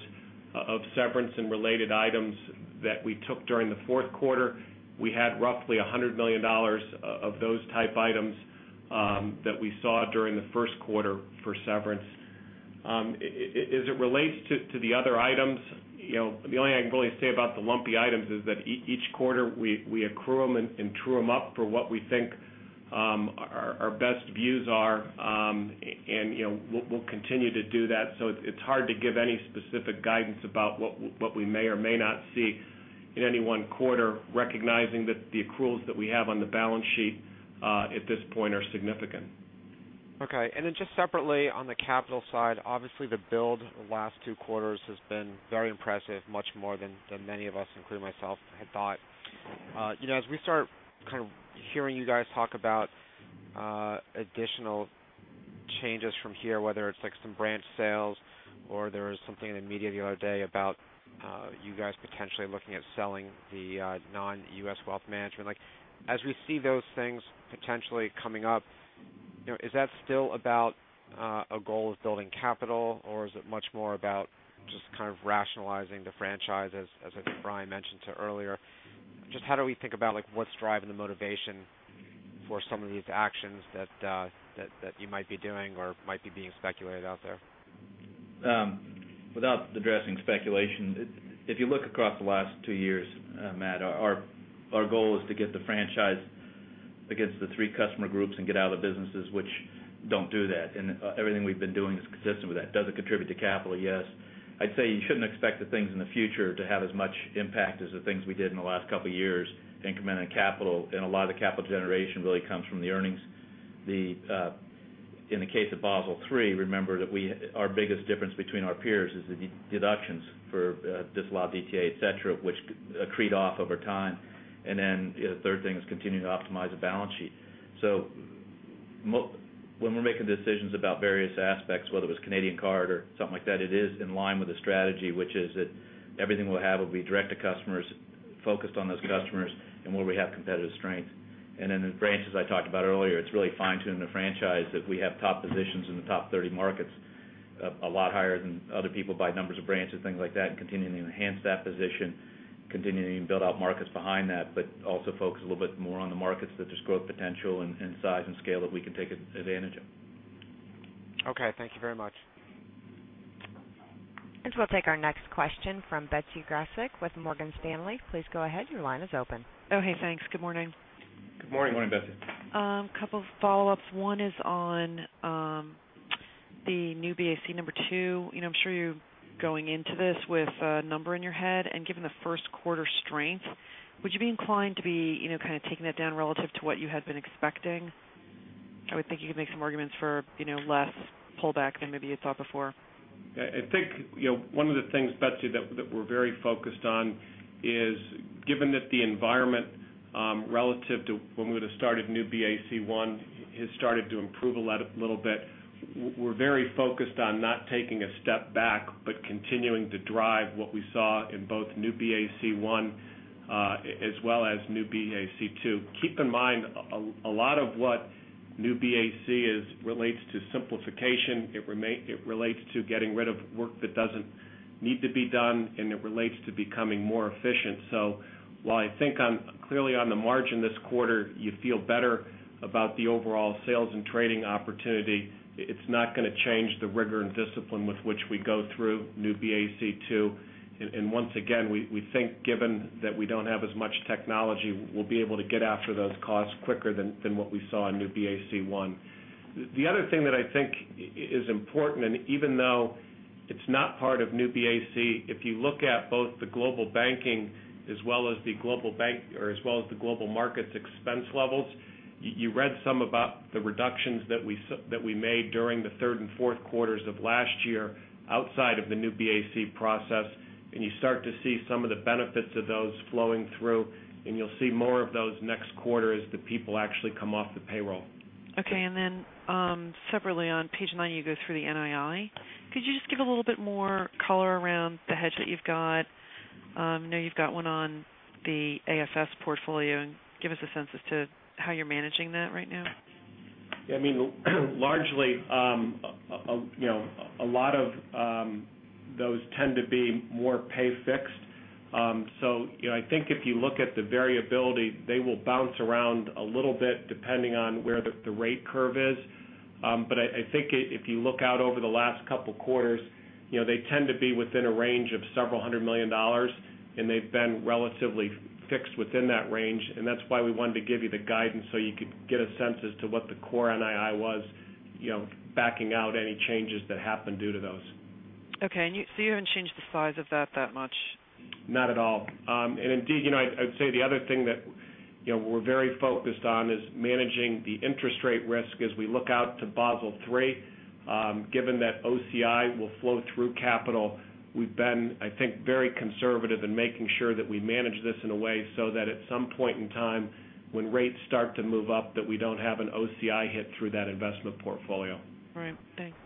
of severance and related items that we took during the fourth quarter. We had roughly $100 million of those type items that we saw during the first quarter for severance. As it relates to the other items, the only thing I can really say about the lumpy items is that each quarter we accrue them and true them up for what we think our best views are. We'll continue to do that. It's hard to give any specific guidance about what we may or may not see in any one quarter, recognizing that the accruals that we have on the balance sheet at this point are significant. Okay. Just separately on the capital side, obviously, the build the last two quarters has been very impressive, much more than many of us, including myself, had thought. As we start kind of hearing you guys talk about additional changes from here, whether it's like some branch sales or there was something in the media the other day about you guys potentially looking at selling the non-U.S. wealth management, as we see those things potentially coming up, is that still about a goal of building capital, or is it much more about just kind of rationalizing the franchise, as I think Brian mentioned earlier? How do we think about what's driving the motivation for some of these actions that you might be doing or might be being speculated out there? Without addressing speculation, if you look across the last two years, Matt, our goal is to get the franchise against the three customer groups and get out of the businesses which don't do that. Everything we've been doing is consistent with that. Does it contribute to capital? Yes. I'd say you shouldn't expect the things in the future to have as much impact as the things we did in the last couple of years to increment in capital. A lot of the capital generation really comes from the earnings. In the case of Basel III, remember that our biggest difference between our peers is the deductions for disallowed DTA, etc., which accrete off over time. The third thing is continuing to optimize the balance sheet. When we're making decisions about various aspects, whether it was Canadian card or something like that, it is in line with the strategy, which is that everything we'll have will be direct to customers, focused on those customers, and where we have competitive strength. The branches I talked about earlier, it's really fine-tuning the franchise that we have top positions in the top 30 markets, a lot higher than other people by numbers of branches, things like that, and continuing to enhance that position, continuing to build out markets behind that, but also focus a little bit more on the markets that there's growth potential and size and scale that we can take advantage of. Okay, thank you very much. We will take our next question from Betsy Graseck with Morgan Stanley. Please go ahead. Your line is open. Oh, hey, thanks. Good morning. Good morning. Morning, Betsy. A couple of follow-ups. One is on the New BAC number two. I'm sure you're going into this with a number in your head, and given the first quarter strength, would you be inclined to be kind of taking that down relative to what you had been expecting? I would think you could make some arguments for less pullback than maybe you thought before. I think one of the things, Betsy, that we're very focused on is given that the environment relative to when we would have started New BAC one has started to improve a little bit, we're very focused on not taking a step back, but continuing to drive what we saw in both New BAC one as well as New BAC two. Keep in mind, a lot of what New BAC relates to is simplification, it relates to getting rid of work that doesn't need to be done, and it relates to becoming more efficient. While I think clearly on the margin this quarter, you feel better about the overall sales and trading opportunity, it's not going to change the rigor and discipline with which we go through New BAC two. Once again, we think given that we don't have as much technology, we'll be able to get after those costs quicker than what we saw in New BAC one. The other thing that I think is important, and even though it's not part of New BAC, if you look at both the Global Banking as well as the Global Markets expense levels, you read some about the reductions that we made during the third and fourth quarters of last year outside of the New BAC process. You start to see some of the benefits of those flowing through, and you'll see more of those next quarter as the people actually come off the payroll. Okay. On page nine, you go through the NII. Could you just give a little bit more color around the hedge that you've got? I know you've got one on the AFS portfolio and give us a sense as to how you're managing that right now. I mean, largely, a lot of those tend to be more pay-fixed. I think if you look at the variability, they will bounce around a little bit depending on where the rate curve is. I think if you look out over the last couple of quarters, they tend to be within a range of several hundred million dollars, and they've been relatively fixed within that range. That is why we wanted to give you the guidance so you could get a sense as to what the core NII was, backing out any changes that happened due to those. Okay. You haven't changed the size of that that much? Not at all. I would say the other thing that we're very focused on is managing the interest rate risk as we look out to Basel III. Given that OCI will flow through capital, we've been, I think, very conservative in making sure that we manage this in a way so that at some point in time, when rates start to move up, we don't have an OCI hit through that investment portfolio. Right. Thanks.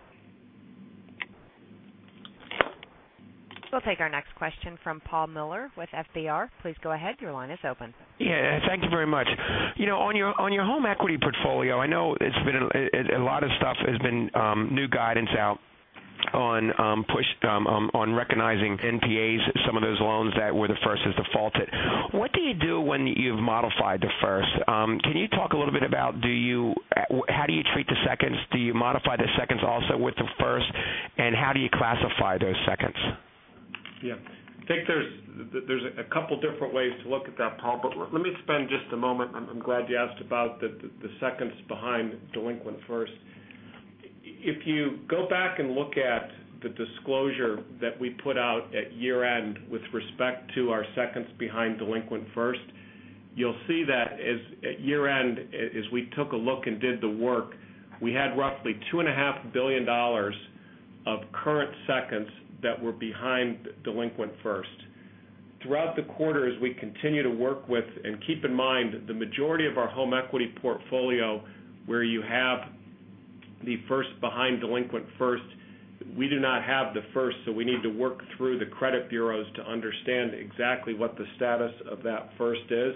We'll take our next question from Paul Miller with FBR. Please go ahead. Your line is open. Thank you very much. On your home equity portfolio, I know there's been a lot of stuff, there has been new guidance out on recognizing NPAs, some of those loans that were the first as defaulted. What do you do when you've modified the first? Can you talk a little bit about how you treat the seconds? Do you modify the seconds also with the first, and how do you classify those seconds? Yeah. I think there's a couple of different ways to look at that, Paul, but let me spend just a moment. I'm glad you asked about the seconds behind delinquent first. If you go back and look at the disclosure that we put out at year end with respect to our seconds behind delinquent first, you'll see that at year end, as we took a look and did the work, we had roughly $2.5 billion of current seconds that were behind delinquent first. Throughout the quarter, as we continue to work with, and keep in mind, the majority of our home equity portfolio, where you have the first behind delinquent first, we do not have the first. We need to work through the credit bureaus to understand exactly what the status of that first is.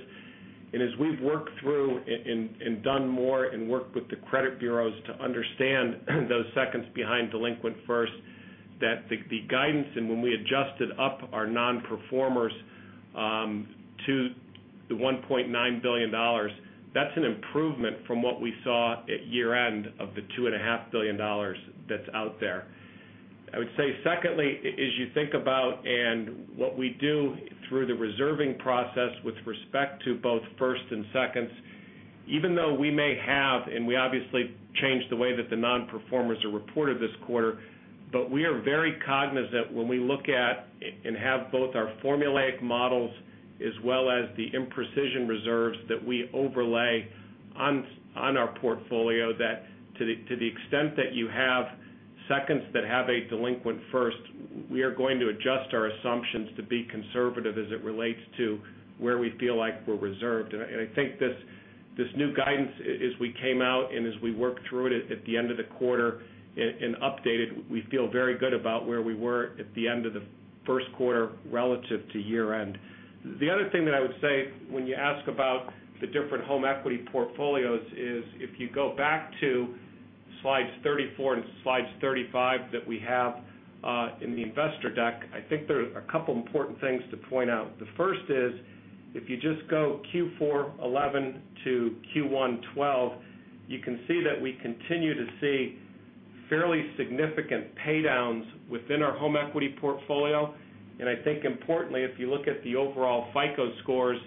As we've worked through and done more and worked with the credit bureaus to understand those seconds behind delinquent first, the guidance and when we adjusted up our non-performers to the $1.9 billion, that's an improvement from what we saw at year end of the $2.5 billion that's out there. I would say secondly, as you think about and what we do through the reserving process with respect to both first and seconds, even though we may have, and we obviously changed the way that the non-performers are reported this quarter, we are very cognizant when we look at and have both our formulaic models as well as the imprecision reserves that we overlay on our portfolio that to the extent that you have seconds that have a delinquent first, we are going to adjust our assumptions to be conservative as it relates to where we feel like we're reserved. I think this new guidance, as we came out and as we worked through it at the end of the quarter and updated, we feel very good about where we were at the end of the first quarter relative to year end. The other thing that I would say when you ask about the different home equity portfolios is if you go back to slides 34 and slides 35 that we have in the investor deck, I think there are a couple of important things to point out. The first is if you just go Q4 2011 to Q1 2012, you can see that we continue to see fairly significant paydowns within our home equity portfolio. I think importantly, if you look at the overall FICO scores,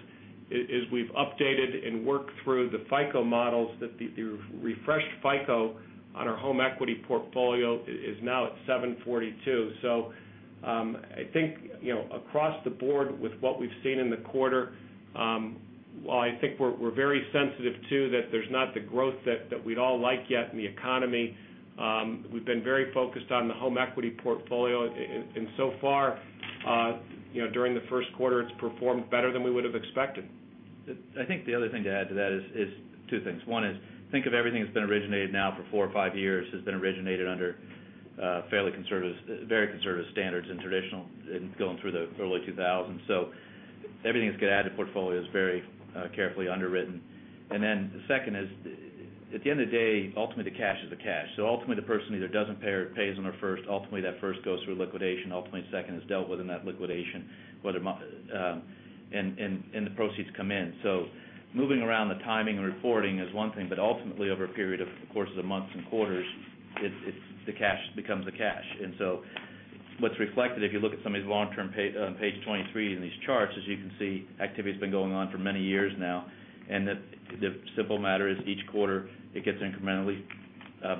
as we've updated and worked through the FICO models, the refreshed FICO on our home equity portfolio is now at 742. I think across the board with what we've seen in the quarter, while I think we're very sensitive to that there's not the growth that we'd all like yet in the economy, we've been very focused on the home equity portfolio. So far, during the first quarter, it's performed better than we would have expected. I think the other thing to add to that is two things. One is think of everything that's been originated now for four or five years as being originated under very conservative standards and traditional and going through the early 2000s. Everything that's getting added to the portfolio is very carefully underwritten. The second is at the end of the day, ultimately, the cash is the cash. Ultimately, the person either doesn't pay or pays on their first. Ultimately, that first goes through liquidation. Ultimately, the second is dealt with in that liquidation, and the proceeds come in. Moving around the timing and reporting is one thing, but ultimately, over a period of months and quarters, the cash becomes the cash. What's reflected, if you look at some of these long-term on page 23 in these charts, as you can see, activity has been going on for many years now. The simple matter is each quarter, it gets incrementally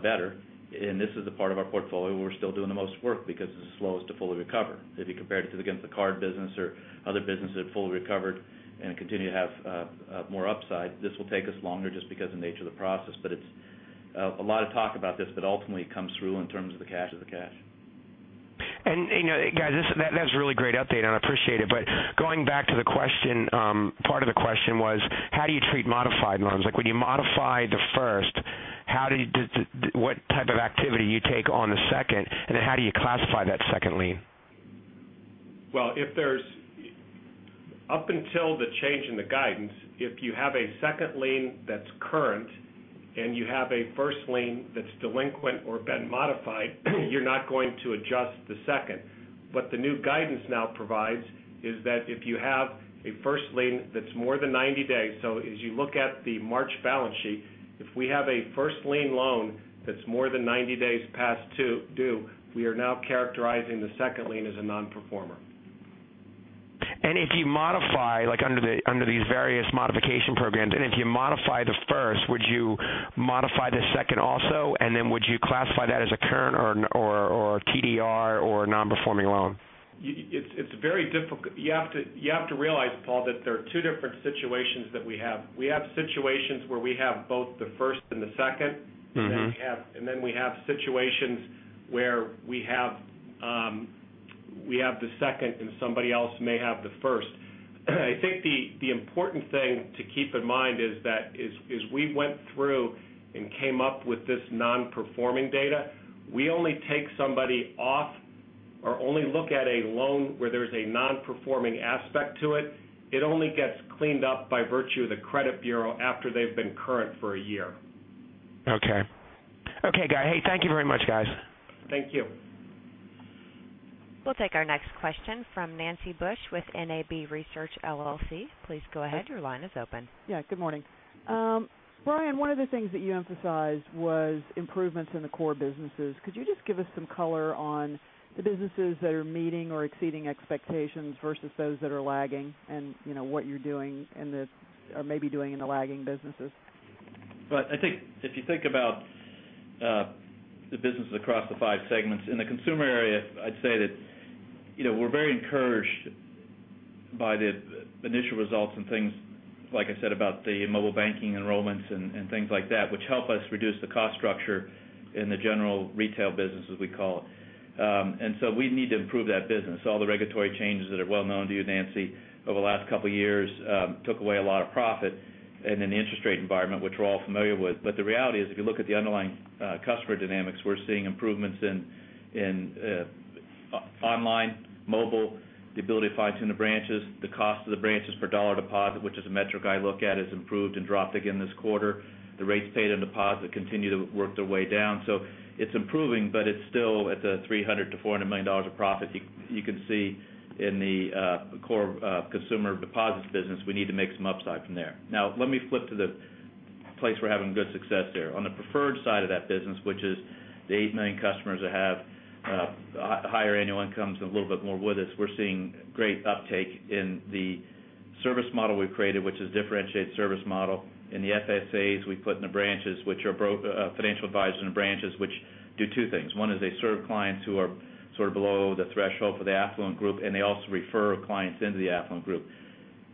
better. This is a part of our portfolio where we're still doing the most work because it's the slowest to fully recover. If you compared it to the card business or other businesses that fully recovered and continue to have more upside, this will take us longer just because of the nature of the process. It's a lot of talk about this, but ultimately, it comes through in terms of the cash is the cash. You know, guys, that's a really great update, and I appreciate it. Going back to the question, part of the question was how do you treat modified loans? Like when you modify the first, what type of activity do you take on the second, and then how do you classify that second lien? Up until the change in the guidance, if you have a second lien that's current and you have a first lien that's delinquent or been modified, you're not going to adjust the second. What the new guidance now provides is that if you have a first lien that's more than 90 days, as you look at the March balance sheet, if we have a first lien loan that's more than 90 days past due, we are now characterizing the second lien as a non-performer. If you modify under these various modification programs, if you modify the first, would you modify the second also? Would you classify that as a current or a TDR or a non-performing loan? It's very difficult. You have to realize, Paul, that there are two different situations that we have. We have situations where we have both the first and the second, and then we have situations where we have the second and somebody else may have the first. I think the important thing to keep in mind is that as we went through and came up with this non-performing data, we only take somebody off or only look at a loan where there's a non-performing aspect to it. It only gets cleaned up by virtue of the credit bureau after they've been current for a year. Okay. Thank you very much, guys. Thank you. We'll take our next question from Nancy Bush with NAB Research LLC. Please go ahead. Your line is open. Yeah. Good morning. Brian, one of the things that you emphasized was improvements in the core businesses. Could you just give us some color on the businesses that are meeting or exceeding expectations versus those that are lagging, and what you're doing in or maybe doing in the lagging businesses? If you think about the businesses across the five segments in the consumer area, I'd say that we're very encouraged by the initial results and things, like I said, about the mobile banking enrollments and things like that, which help us reduce the cost structure in the general retail business, as we call it. We need to improve that business. All the regulatory changes that are well known to you, Nancy, over the last couple of years took away a lot of profit in the interest rate environment, which we're all familiar with. The reality is if you look at the underlying customer dynamics, we're seeing improvements in online, mobile, the ability to fine-tune the branches, the cost of the branches per dollar deposit, which is a metric I look at, has improved and dropped again this quarter. The rates paid on deposit continue to work their way down. It's improving, but it's still at the $300 million-$400 million of profits. You can see in the core consumer deposits business, we need to make some upside from there. Let me flip to the place we're having good success there. On the preferred side of that business, which is the 8 million customers that have higher annual incomes and a little bit more with us, we're seeing great uptake in the service model we've created, which is a differentiated service model. In the FSAs, we put in the branches, which are financial advisors in the branches, which do two things. One is they serve clients who are sort of below the threshold for the affluent group, and they also refer clients into the affluent group.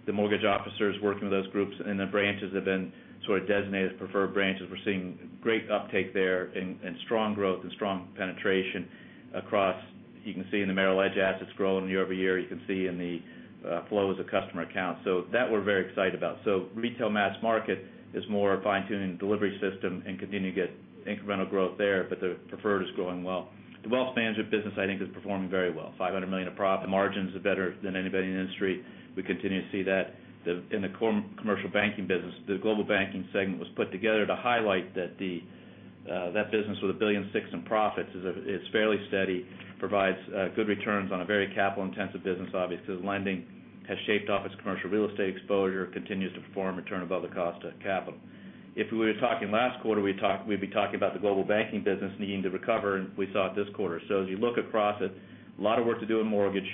The mortgage officers working with those groups in the branches have been sort of designated as preferred branches. We're seeing great uptake there and strong growth and strong penetration across. You can see in the Merrill Lynch assets growing year-over-year. You can see in the flows of customer accounts. That we're very excited about. Retail mass market is more fine-tuning the delivery system and continue to get incremental growth there, but the preferred is growing well. The wealth management business, I think, is performing very well. $500 million of profit. Margins are better than anybody in the industry. We continue to see that. In the core commercial banking business, the Global Banking segment was put together to highlight that that business with $1.6 billion in profits is fairly steady, provides good returns on a very capital-intensive business, obviously, because lending has shaped off its commercial real estate exposure, continues to perform, return above the cost of capital. If we were talking last quarter, we'd be talking about the Global Banking business needing to recover, and we saw it this quarter. As you look across it, a lot of work to do in mortgage,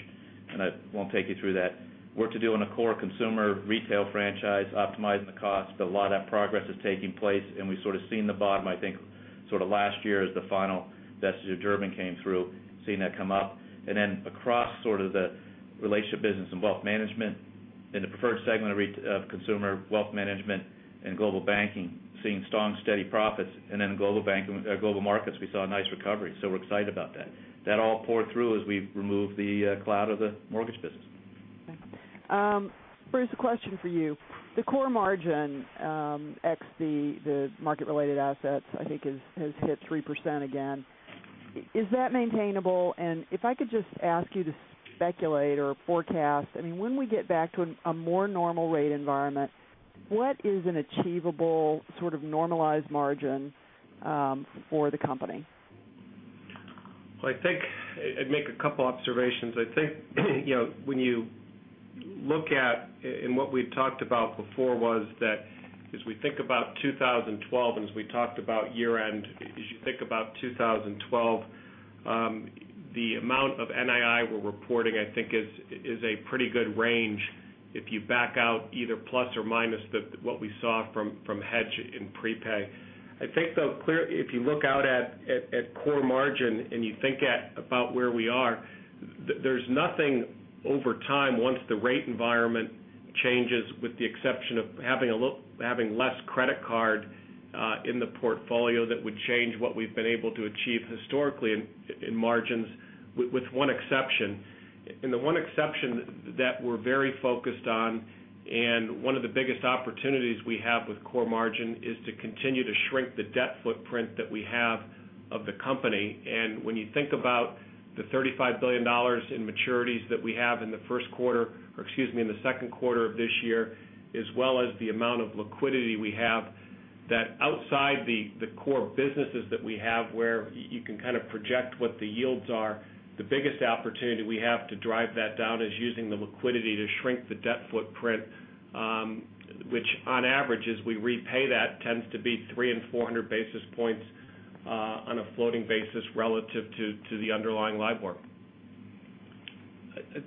and I won't take you through that, work to do in a core consumer retail franchise, optimizing the cost, but a lot of that progress is taking place. We've sort of seen the bottom, I think, sort of last year as the final Vestager Durbin came through, seeing that come up. Across the relationship business and Wealth Management, in the preferred segment of Consumer Wealth Management and Global Banking, seeing strong, steady profits. In Global Markets, we saw a nice recovery. We're excited about that. That all poured through as we removed the cloud of the mortgage business. Bruce, a question for you. The core margin ex the market-related assets, I think, has hit 3% again. Is that maintainable? If I could just ask you to speculate or forecast, I mean, when we get back to a more normal rate environment, what is an achievable sort of normalized margin for the company? I think I'd make a couple of observations. I think when you look at, and what we had talked about before was that as we think about 2012 and as we talked about year-end, as you think about 2012, the amount of NII we're reporting, I think, is a pretty good range if you back out either plus or minus what we saw from hedge and prepay. I think, though, clearly, if you look out at core margin and you think about where we are, there's nothing over time once the rate environment changes with the exception of having less credit card in the portfolio that would change what we've been able to achieve historically in margins, with one exception. The one exception that we're very focused on, and one of the biggest opportunities we have with core margin, is to continue to shrink the debt footprint that we have of the company. When you think about the $35 billion in maturities that we have in the first quarter, or excuse me, in the second quarter of this year, as well as the amount of liquidity we have, that outside the core businesses that we have, where you can kind of project what the yields are, the biggest opportunity we have to drive that down is using the liquidity to shrink the debt footprint, which on average, as we repay that, tends to be 300 basis points and 400 basis points on a floating basis relative to the underlying LIBOR.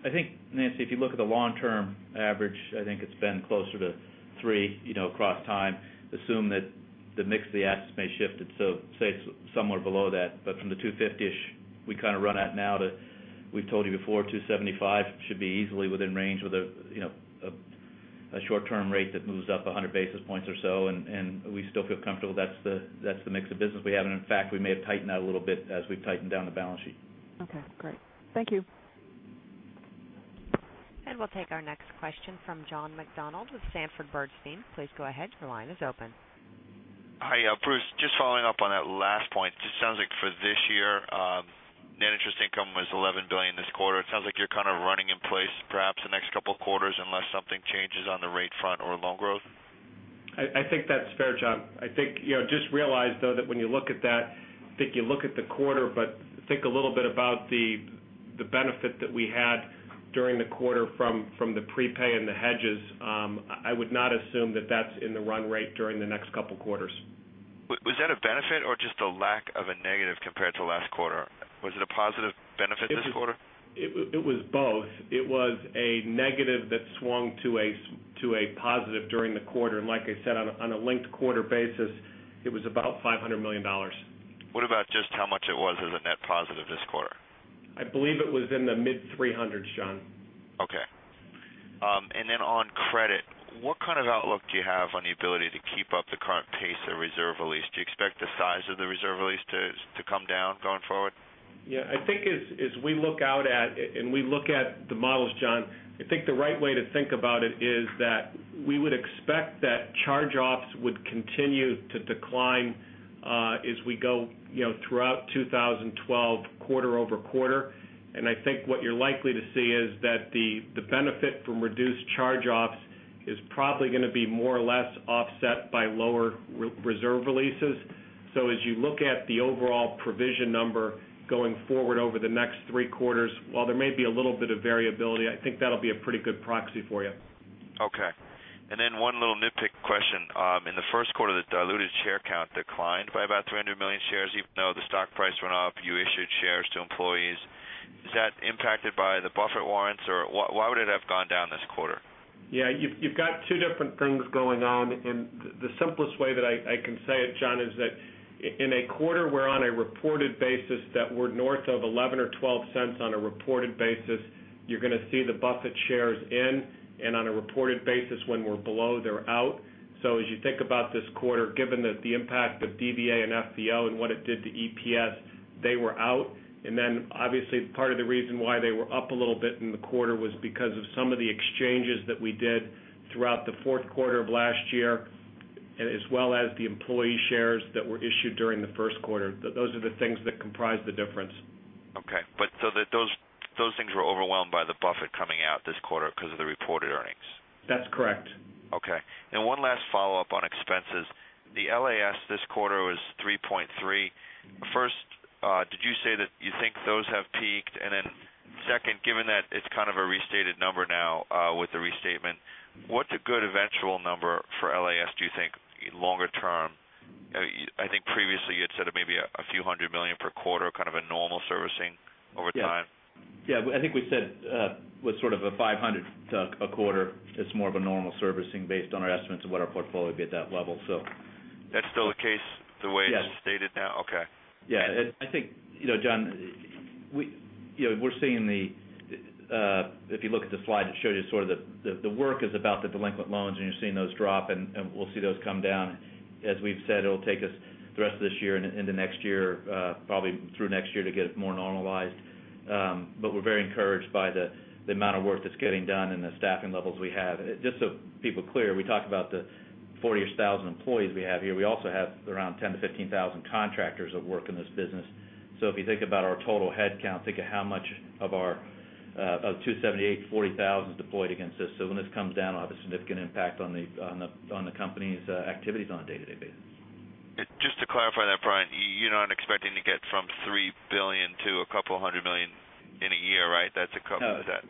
I think, Nancy, if you look at the long-term average, I think it's been closer to three across time. Assume that the mix of the assets may shift it, so say it's somewhere below that. From the $250-ish we kind of run at now to, we've told you before, $275 should be easily within range with a short-term rate that moves up 100 basis points or so. We still feel comfortable that's the mix of business we have. In fact, we may have tightened that a little bit as we've tightened down the balance sheet. Okay. Great. Thank you. We will take our next question from John McDonald with Sanford Bernstein. Please go ahead. Your line is open. Hi. Bruce, just following up on that last point. It sounds like for this year, net interest income was $11 billion this quarter. It sounds like you're kind of running in place perhaps the next couple of quarters unless something changes on the rate front or loan growth. I think that's fair, John. I think you know, just realize, though, that when you look at that, I think you look at the quarter, but think a little bit about the benefit that we had during the quarter from the prepay and the hedges. I would not assume that that's in the run rate during the next couple of quarters. Was that a benefit or just a lack of a negative compared to the last quarter? Was it a positive benefit this quarter? It was both. It was a negative that swung to a positive during the quarter. Like I said, on a linked quarter basis, it was about $500 million. What about just how much it was as a net positive this quarter? I believe it was in the mid-$300s, John. Okay. On credit, what kind of outlook do you have on the ability to keep up the current pace of reserve release? Do you expect the size of the reserve release to come down going forward? Yeah. I think as we look out at and we look at the models, John, I think the right way to think about it is that we would expect that charge-offs would continue to decline as we go throughout 2012, quarter-over-quarter. I think what you're likely to see is that the benefit from reduced charge-offs is probably going to be more or less offset by lower reserve releases. As you look at the overall provision number going forward over the next three quarters, while there may be a little bit of variability, I think that'll be a pretty good proxy for you. Okay. One little nitpick question. In the first quarter, the diluted share count declined by about $300 million shares, even though the stock price went up. You issued shares to employees. Is that impacted by the Buffett warrants? Why would it have gone down this quarter? Yeah, you've got two different things going on. The simplest way that I can say it, John, is that in a quarter where on a reported basis that we're north of $0.11 or $0.12 on a reported basis, you're going to see the Buffett shares in, and on a reported basis, when we're below, they're out. As you think about this quarter, given that the impact of DVA/FVO and what it did to EPS, they were out. Obviously, part of the reason why they were up a little bit in the quarter was because of some of the exchanges that we did throughout the fourth quarter of last year, as well as the employee shares that were issued during the first quarter. Those are the things that comprise the difference. Those things were overwhelmed by the buffet coming out this quarter because of the reported earnings. That's correct. Okay. One last follow-up on expenses. The LAS this quarter was $3.3 billion. First, did you say that you think those have peaked? Given that it's kind of a restated number now with the restatement, what's a good eventual number for LAS, do you think, longer term? I think previously you had said maybe a few hundred million per quarter, kind of a normal servicing over time. Yeah, I think we said it was sort of a $500 a quarter. It's more of a normal servicing based on our estimates of what our portfolio would be at that level. That's still the case the way it's stated now? Okay. Yeah. I think, you know, John, we're seeing the, if you look at the slide that showed you sort of the work is about the delinquent loans, and you're seeing those drop, and we'll see those come down. As we've said, it'll take us the rest of this year and into next year, probably through next year to get it more normalized. We're very encouraged by the amount of work that's getting done and the staffing levels we have. Just so people are clear, we talk about the 40,000 employees we have here. We also have around 10,000-15,000 contractors that work in this business. If you think about our total headcount, think of how much of our 278,000, 40,000 is deployed against us. When this comes down, it'll have a significant impact on the company's activities on a day-to-day basis. Just to clarify that, Brian, you're not expecting to get from $3 billion to a couple hundred million in a year, right? That's a couple of... No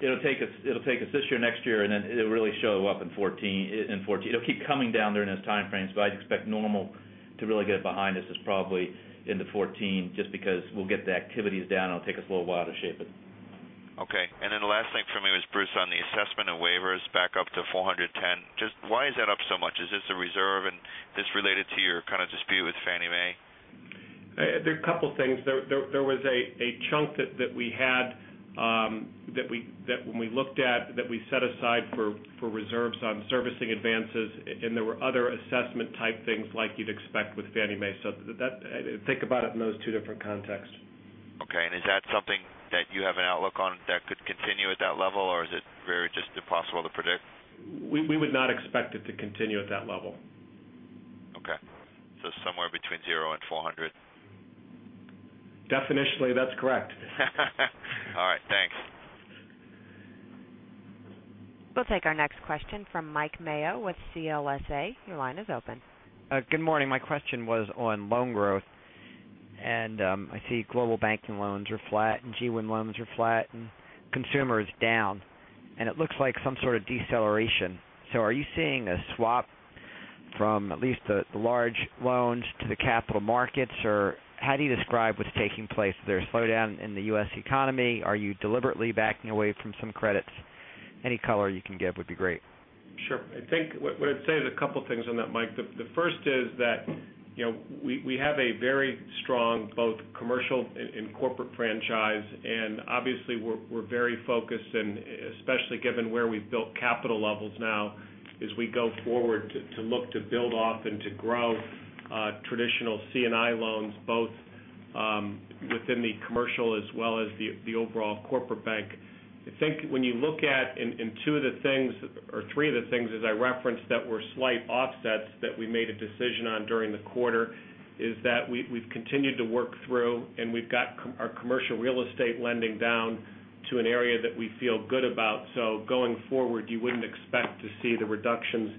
it'll take us this year, next year, and then it'll really show up in 2014. It'll keep coming down during those timeframes, but I'd expect normal to really get it behind us is probably into 2014 just because we'll get the activities down. It'll take us a little while to shape it. Okay. The last thing for me was, Bruce, on the assessment and waivers back up to $410. Just why is that up so much? Is this a reserve and is this related to your kind of dispute with Fannie Mae? There are a couple of things. There was a chunk that we had that when we looked at that we set aside for reserves on servicing advances, and there were other assessment type things like you'd expect with Fannie Mae. Think about it in those two different contexts. Is that something that you have an outlook on that could continue at that level, or is it just impossible to predict? We would not expect it to continue at that level. Okay, somewhere between zero and 400? Definitionally, that's correct. All right. Thanks. We'll take our next question from Mike Mayo with CLSA. Your line is open. Good morning. My question was on loan growth, and I see global banking loans are flat and G1 loans are flat and consumer is down. It looks like some sort of deceleration. Are you seeing a swap from at least the large loans to the capital markets, or how do you describe what's taking place? Is there a slowdown in the U.S. economy? Are you deliberately backing away from some credits? Any color you can give would be great. Sure. I think what I'd say is a couple of things on that, Mike. The first is that we have a very strong both commercial and corporate franchise, and obviously we're very focused, especially given where we've built capital levels now as we go forward to look to build off and to grow traditional C&I loans, both within the commercial as well as the overall corporate bank. I think when you look at two of the things, or three of the things, as I referenced, that were slight offsets that we made a decision on during the quarter, we've continued to work through, and we've got our commercial real estate lending down to an area that we feel good about. Going forward, you wouldn't expect to see the reductions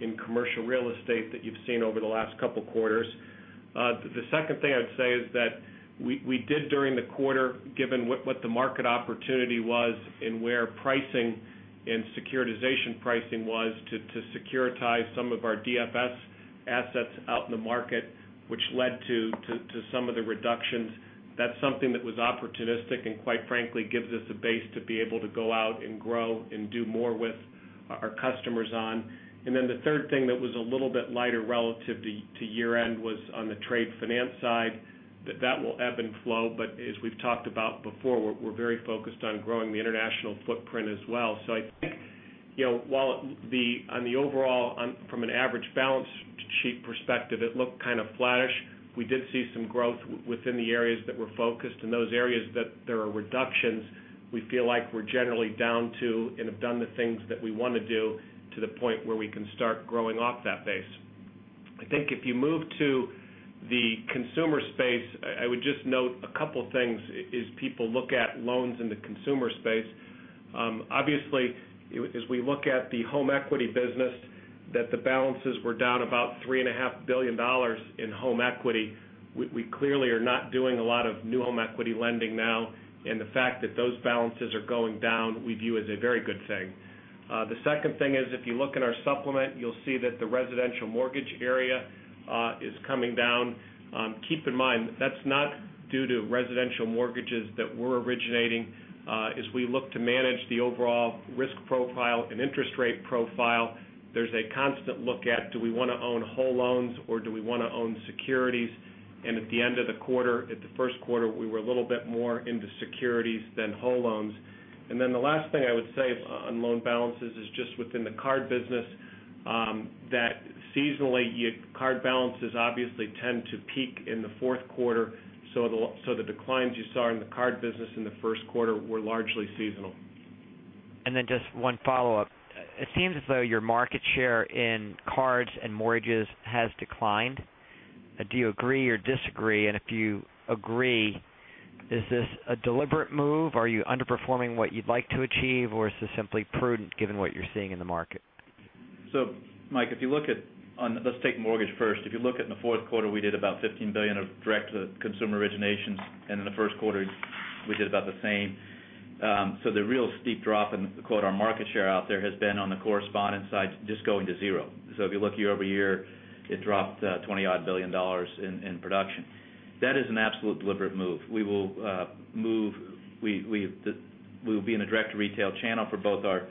in commercial real estate that you've seen over the last couple of quarters. The second thing I'd say is that we did during the quarter, given what the market opportunity was and where pricing and securitization pricing was, securitize some of our DFS assets out in the market, which led to some of the reductions. That's something that was opportunistic and quite frankly gives us a base to be able to go out and grow and do more with our customers on. The third thing that was a little bit lighter relative to year-end was on the trade finance side. That will ebb and flow, but as we've talked about before, we're very focused on growing the international footprint as well. While on the overall, from an average balance sheet perspective, it looked kind of flattish, we did see some growth within the areas that were focused. Those areas that there are reductions, we feel like we're generally down to and have done the things that we want to do to the point where we can start growing off that base. If you move to the consumer space, I would just note a couple of things as people look at loans in the consumer space. Obviously, as we look at the home equity business, the balances were down about $3.5 billion in home equity. We clearly are not doing a lot of new home equity lending now, and the fact that those balances are going down, we view as a very good thing. The second thing is, if you look in our supplement, you'll see that the residential mortgage area is coming down. Keep in mind, that's not due to residential mortgages that we're originating. As we look to manage the overall risk profile and interest rate profile, there's a constant look at whether we want to own whole loans or we want to own securities. At the end of the quarter, at the first quarter, we were a little bit more into securities than whole loans. The last thing I would say on loan balances is just within the card business, that seasonally, card balances obviously tend to peak in the fourth quarter. The declines you saw in the card business in the first quarter were largely seasonal. Just one follow-up. It seems as though your market share in cards and mortgages has declined. Do you agree or disagree? If you agree, is this a deliberate move? Are you underperforming what you'd like to achieve, or is this simply prudent given what you're seeing in the market? Mike, if you look at, let's take mortgage first. If you look at in the fourth quarter, we did about $15 billion of direct to consumer originations, and in the first quarter, we did about the same. The real steep drop in, quote, our market share out there has been on the correspondent side just going to zero. If you look year-over-year, it dropped $20 billion odd in production. That is an absolute deliberate move. We will be in the direct to retail channel for both our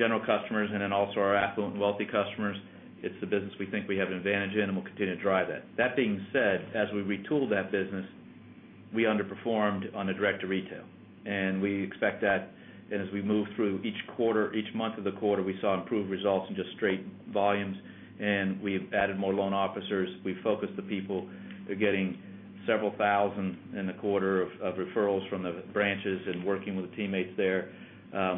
general customers and then also our affluent and wealthy customers. It's the business we think we have an advantage in, and we'll continue to drive that. That being said, as we retooled that business, we underperformed on the direct to retail. We expect that, and as we move through each quarter, each month of the quarter, we saw improved results and just straight volumes, and we added more loan officers. We focused the people who are getting several thousand in a quarter of referrals from the branches and working with the teammates there.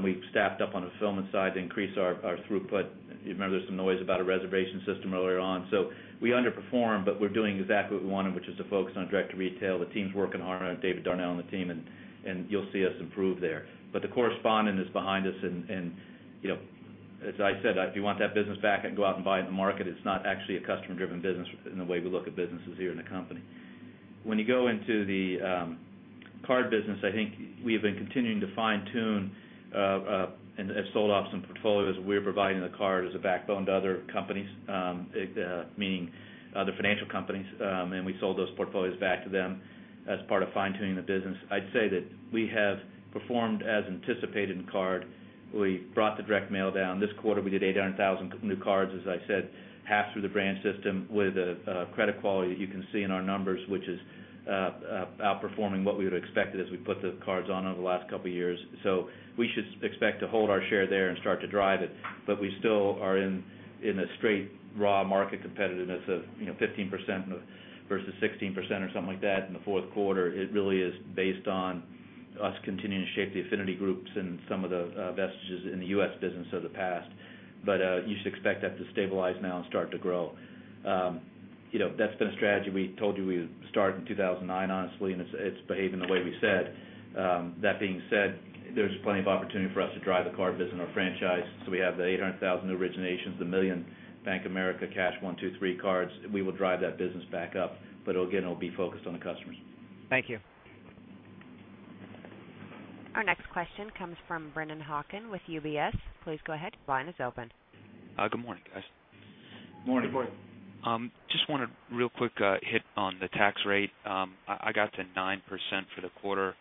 We've staffed up on the fulfillment side to increase our throughput. You remember there's some noise about a reservation system earlier on. We underperformed, but we're doing exactly what we wanted, which is to focus on direct to retail. The team's working hard on it, David Darnell and the team, and you'll see us improve there. The correspondent is behind us, and you know, if you want that business back, I can go out and buy it in the market. It's not actually a customer-driven business in the way we look at businesses here in the company. When you go into the card business, I think we've been continuing to fine-tune and have sold off some portfolios we're providing the card as a backbone to other companies, meaning other financial companies, and we sold those portfolios back to them as part of fine-tuning the business. I'd say that we have performed as anticipated in card. We brought the direct mail down. This quarter, we did 800,000 new cards, as I said, half through the branch system with a credit quality that you can see in our numbers, which is outperforming what we would have expected as we put the cards on over the last couple of years. We should expect to hold our share there and start to drive it, but we still are in a straight raw market competitiveness of 15% versus 16% or something like that in the fourth quarter. It really is based on us continuing to shape the affinity groups and some of the vestiges in the U.S. business of the past. You should expect that to stabilize now and start to grow. You know, that's been a strategy we told you we started in 2009, honestly, and it's behaving the way we said. That being said, there's plenty of opportunity for us to drive the card business in our franchise. We have the 800,000 new originations, the $1 million Bank of America Cash 123 cards. We will drive that business back up, but again, it'll be focused on the customers. Thank you. Our next question comes from Brennan Hawken with UBS. Please go ahead. Line is open. Good morning, guys. Morning. Just want to real quick hit on the tax rate. I got to 9% for the quarter.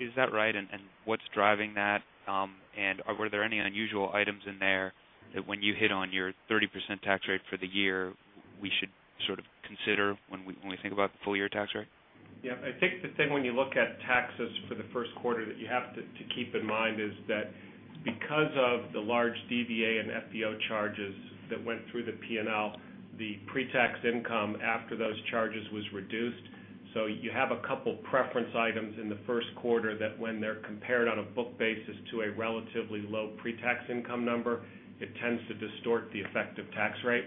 Is that right? What's driving that? Were there any unusual items in there that when you hit on your 30% tax rate for the year, we should sort of consider when we think about the full year tax rate? Yeah, I think the thing when you look at taxes for the first quarter that you have to keep in mind is that because of the large DVA/FVO charges that went through the P&L, the pre-tax income after those charges was reduced. You have a couple of preference items in the first quarter that, when they're compared on a book basis to a relatively low pre-tax income number, tend to distort the effective tax rate.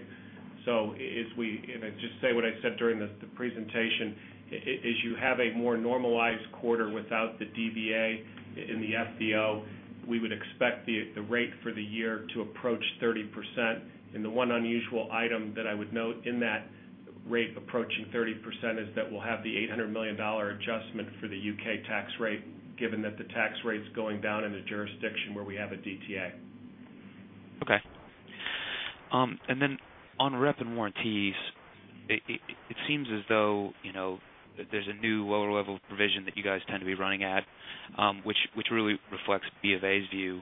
As I said during the presentation, if you have a more normalized quarter without the DVA/FVO, we would expect the rate for the year to approach 30%. The one unusual item that I would note in that rate approaching 30% is that we'll have the $800 million adjustment for the U.K. tax rate, given that the tax rate is going down in a jurisdiction where we have a DTA. Okay. On rep and warranties, it seems as though there's a new lower level provision that you guys tend to be running at, which really reflects Bank of America's view.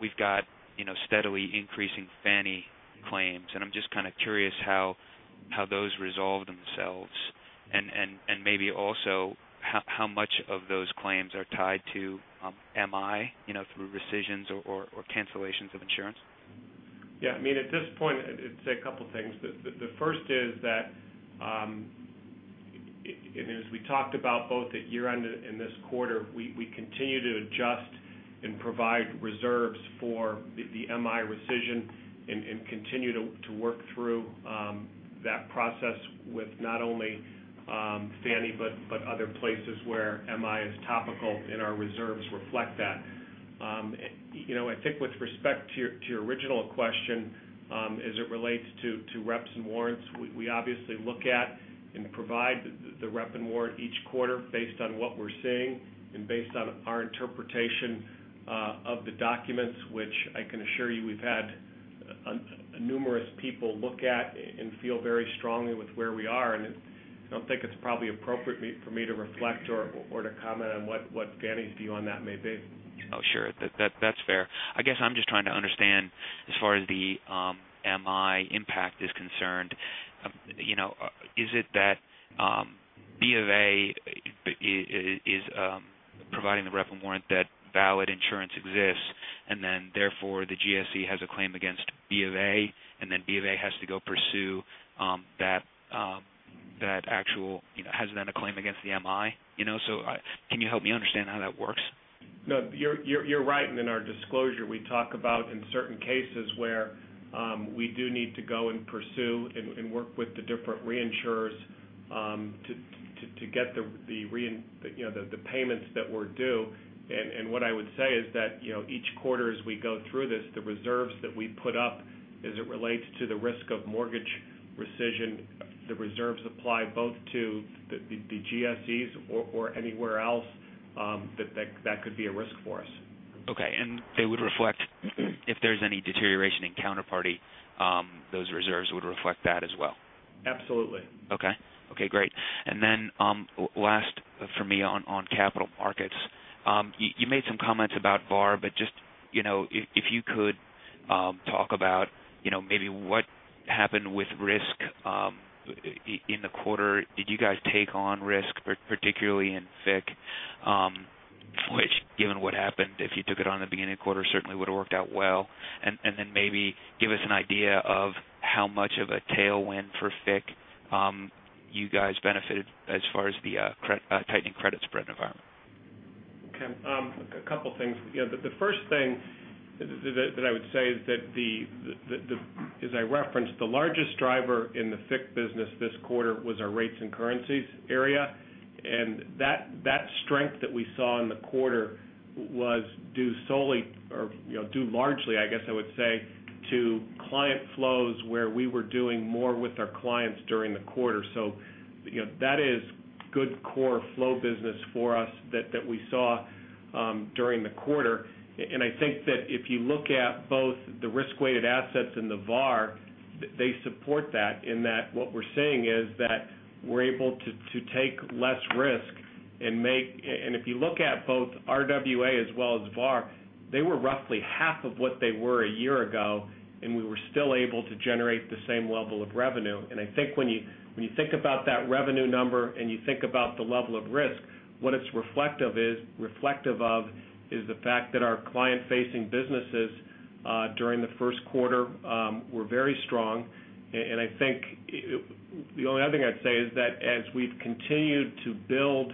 We've got steadily increasing Fannie claims. I'm just kind of curious how those resolve themselves and maybe also how much of those claims are tied to MI, through rescissions or cancellations of insurance. Yeah, I mean, at this point, I'd say a couple of things. The first is that, as we talked about both at year-end and this quarter, we continue to adjust and provide reserves for the MI rescission and continue to work through that process with not only Fannie, but other places where MI is topical, and our reserves reflect that. I think with respect to your original question, as it relates to reps and warrants, we obviously look at and provide the rep and warrant each quarter based on what we're seeing and based on our interpretation of the documents, which I can assure you we've had numerous people look at and feel very strongly with where we are. I don't think it's probably appropriate for me to reflect or to comment on what Fannie's view on that may be. Oh, sure. That's fair. I guess I'm just trying to understand as far as the MI impact is concerned. Is it that BoA is providing the rep and warrant that valid insurance exists, and therefore the GSE has a claim against BoA, and then BoA has to go pursue that actual, you know, has then a claim against the MI? Can you help me understand how that works? No, you're right. In our disclosure, we talk about in certain cases where we do need to go and pursue and work with the different reinsurers to get the payments that were due. What I would say is that each quarter as we go through this, the reserves that we put up as it relates to the risk of mortgage rescission, the reserves apply both to the GSEs or anywhere else that could be a risk for us. They would reflect if there's any deterioration in counterparty, those reserves would reflect that as well. Absolutely. Okay, great. Last for me on capital markets, you made some comments about VAR, but if you could talk about maybe what happened with risk in the quarter. Did you guys take on risk, particularly in FICC, which given what happened, if you took it on in the beginning quarter, certainly would have worked out well. Maybe give us an idea of how much of a tailwind for FICC you guys benefited as far as the tightening credit spread environment. Okay. A couple of things. The first thing that I would say is that, as I referenced, the largest driver in the FICC business this quarter was our rates and currencies area. That strength we saw in the quarter was due largely, I guess I would say, to client flows where we were doing more with our clients during the quarter. That is good core flow business for us that we saw during the quarter. I think that if you look at both the risk-weighted assets and the VAR, they support that in that what we're seeing is that we're able to take less risk and, if you look at both RWA as well as VAR, they were roughly half of what they were a year ago, and we were still able to generate the same level of revenue. I think when you think about that revenue number and you think about the level of risk, what it's reflective of is the fact that our client-facing businesses during the first quarter were very strong. The only other thing I'd say is that as we've continued to build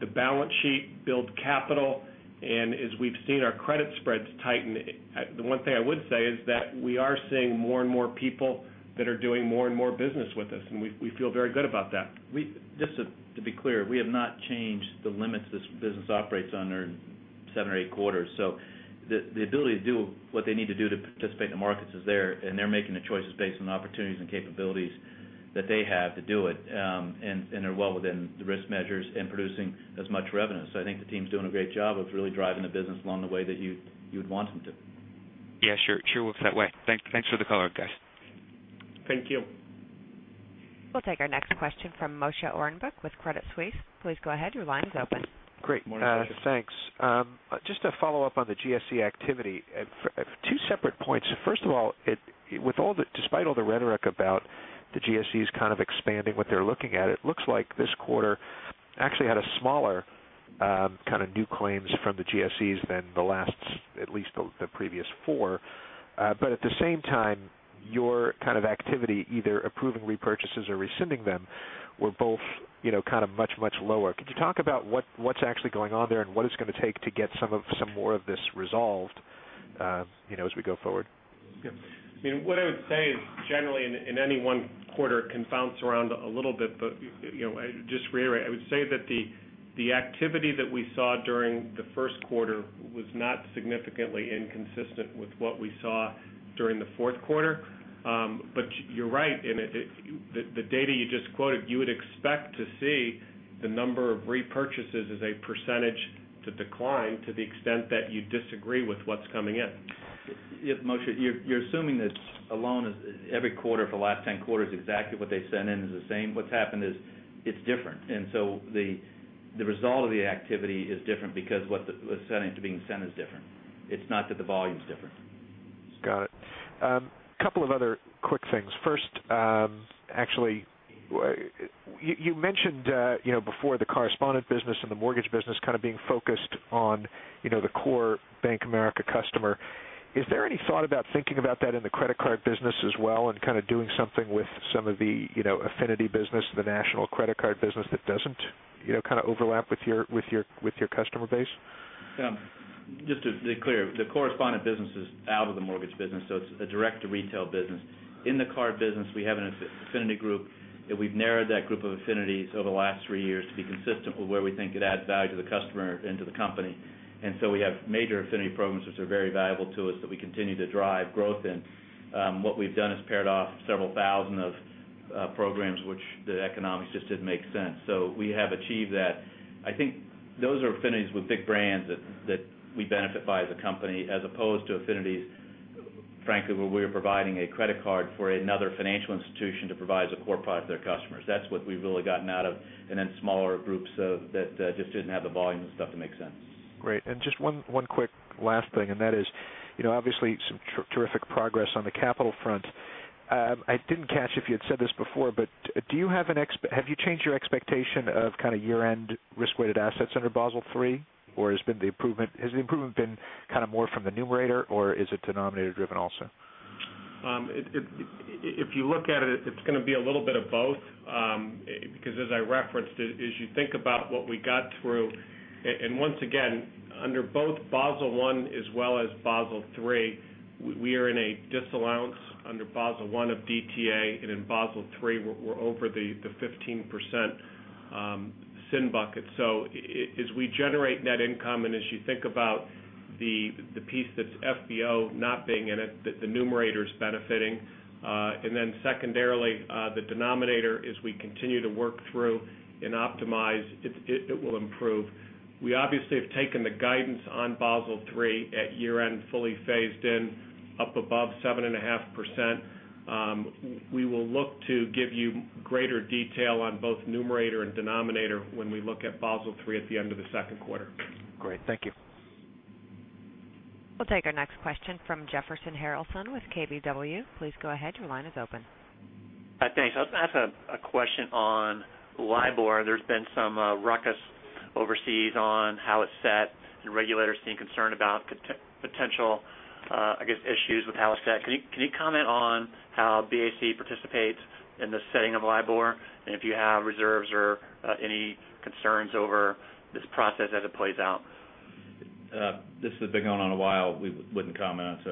the balance sheet, build capital, and as we've seen our credit spreads tighten, the one thing I would say is that we are seeing more and more people that are doing more and more business with us, and we feel very good about that. Just to be clear, we have not changed the limits this business operates under in seven or eight quarters. The ability to do what they need to do to participate in the markets is there, and they're making the choices based on the opportunities and capabilities that they have to do it, and they're well within the risk measures and producing as much revenue. I think the team's doing a great job of really driving the business along the way that you'd want them to. Yeah, sure. Sure works that way. Thanks for the call out, guys. Thank you. We'll take our next question from Moshe Orenbuch with Credit Suisse. Please go ahead. Your line is open. Great. Morning, thank you. Thanks. Just to follow up on the GSE activity, two separate points. First of all, despite all the rhetoric about the GSEs kind of expanding what they're looking at, it looks like this quarter actually had a smaller kind of new claims from the GSEs than the last, at least the previous four. At the same time, your kind of activity, either approving repurchases or rescinding them, were both much, much lower. Could you talk about what's actually going on there and what it's going to take to get some more of this resolved as we go forward? Yeah. I mean, what I would say is generally in any one quarter, it can bounce around a little bit, but I just reiterate, I would say that the activity that we saw during the first quarter was not significantly inconsistent with what we saw during the fourth quarter. You're right, and the data you just quoted, you would expect to see the number of repurchases as a percentage to decline to the extent that you disagree with what's coming in. Moshe, you're assuming that alone every quarter for the last 10 quarters exactly what they send in is the same. What's happened is it's different, and the result of the activity is different because what was sent to being sent is different. It's not that the volume's different. Got it. A couple of other quick things. First, you mentioned before the correspondent mortgage lending business and the mortgage business kind of being focused on the core Bank of America customer. Is there any thought about thinking about that in the credit card business as well and kind of doing something with some of the affinity credit card portfolios, the national credit card business that doesn't overlap with your customer base? Yeah. Just to be clear, the correspondent mortgage lending business is out of the mortgage business. It's a direct-to-retail business. In the card business, we have an affinity credit card portfolios group, and we've narrowed that group of affinities over the last three years to be consistent with where we think it adds value to the customer and to the company. We have major affinity programs, which are very valuable to us that we continue to drive growth in. What we've done is pared off several thousand programs, which the economics just didn't make sense. We have achieved that. I think those are affinities with big brands that we benefit by as a company, as opposed to affinities, frankly, where we are providing a credit card for another financial institution to provide as a core product for their customers. That's what we've really gotten out of, and then smaller groups that just didn't have the volume and stuff that make sense. Great. Just one quick last thing, and that is, you know, obviously some terrific progress on the capital front. I didn't catch if you had said this before, but do you have an expectation, have you changed your expectation of kind of year-end risk-weighted assets under Basel III, or has the improvement been kind of more from the numerator, or is it denominator-driven also? If you look at it, it's going to be a little bit of both, because as I referenced, as you think about what we got through, under both Basel I as well as Basel III, we are in a disallowance under Basel I of DTA, and in Basel III, we're over the 15% sin bucket. As we generate net income, and as you think about the piece that's FBO not being in it, the numerator is benefiting. Secondarily, the denominator, as we continue to work through and optimize, will improve. We obviously have taken the guidance on Basel III at year-end fully phased in up above 7.5%. We will look to give you greater detail on both numerator and denominator when we look at Basel III at the end of the second quarter. Great. Thank you. We'll take our next question from Jefferson Harrelson with KBW. Please go ahead. Your line is open. Thanks. I've got a question on LIBOR. There's been some ruckus overseas on how it's set, and regulators seem concerned about potential, I guess, issues with how it's set. Can you comment on how BofA participates in the setting of LIBOR, and if you have reserves or any concerns over this process as it plays out? This has been going on a while. We wouldn't comment on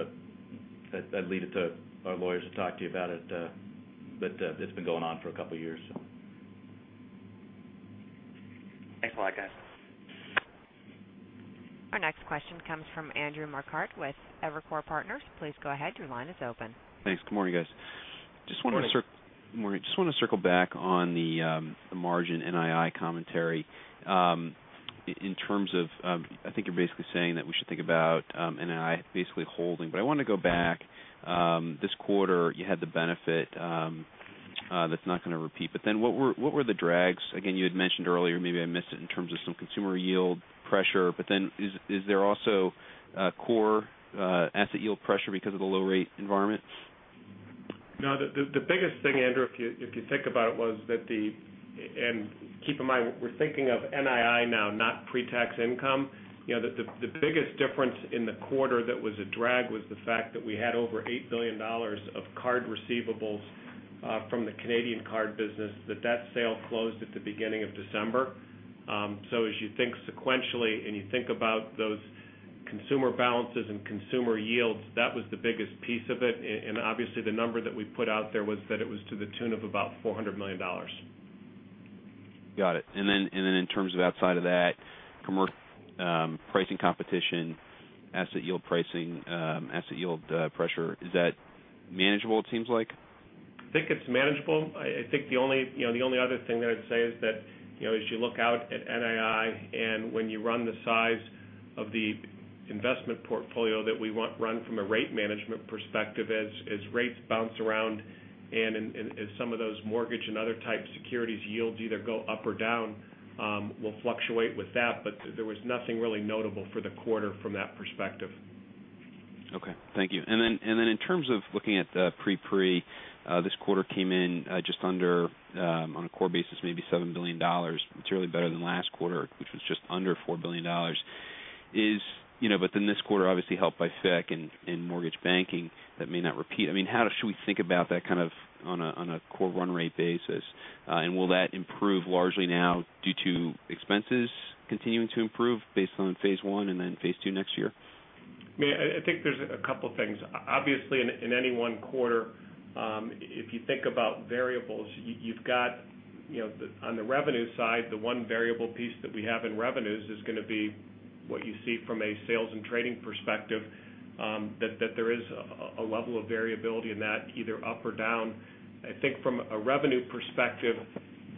it. I'd leave it to our lawyers to talk to you about it. It's been going on for a couple of years. Thanks a lot, guys. Our next question comes from [Andrew Mccart] with Evercore Partners. Please go ahead. Your line is open. Thanks. Good morning, guys. Just wanted to circle back on the margin NII commentary. In terms of, I think you're basically saying that we should think about NII basically holding, but I wanted to go back. This quarter, you had the benefit that's not going to repeat. What were the drags? You had mentioned earlier, maybe I missed it in terms of some consumer yield pressure. Is there also core asset yield pressure because of the low rate environment? No, the biggest thing, Andrew, if you think about it, was that, and keep in mind, we're thinking of NII now, not pre-tax income. The biggest difference in the quarter that was a drag was the fact that we had over $8 billion of card receivables from the Canadian card business, that sale closed at the beginning of December. As you think sequentially, and you think about those consumer balances and consumer yields, that was the biggest piece of it. Obviously, the number that we put out there was that it was to the tune of about $400 million. Got it. In terms of outside of that, from our pricing competition, asset yield pricing, asset yield pressure, is that manageable? It seems like. I think it's manageable. I think the only other thing that I'd say is that, you know, as you look out at NII, and when you run the size of the investment portfolio that we run from a rate management perspective, as rates bounce around, and as some of those mortgage and other types of securities yields either go up or down, we'll fluctuate with that. There was nothing really notable for the quarter from that perspective. Thank you. In terms of looking at the pre-pre, this quarter came in just under, on a core basis, maybe $7 billion. It's really better than last quarter, which was just under $4 billion. This quarter was obviously helped by FICC and mortgage banking that may not repeat. How should we think about that kind of on a core run rate basis? Will that improve largely now due to expenses continuing to improve based on phase one and then phase II next year? I think there's a couple of things. Obviously, in any one quarter, if you think about variables, you've got, on the revenue side, the one variable piece that we have in revenues is going to be what you see from a sales and trading perspective, that there is a level of variability in that either up or down. I think from a revenue perspective,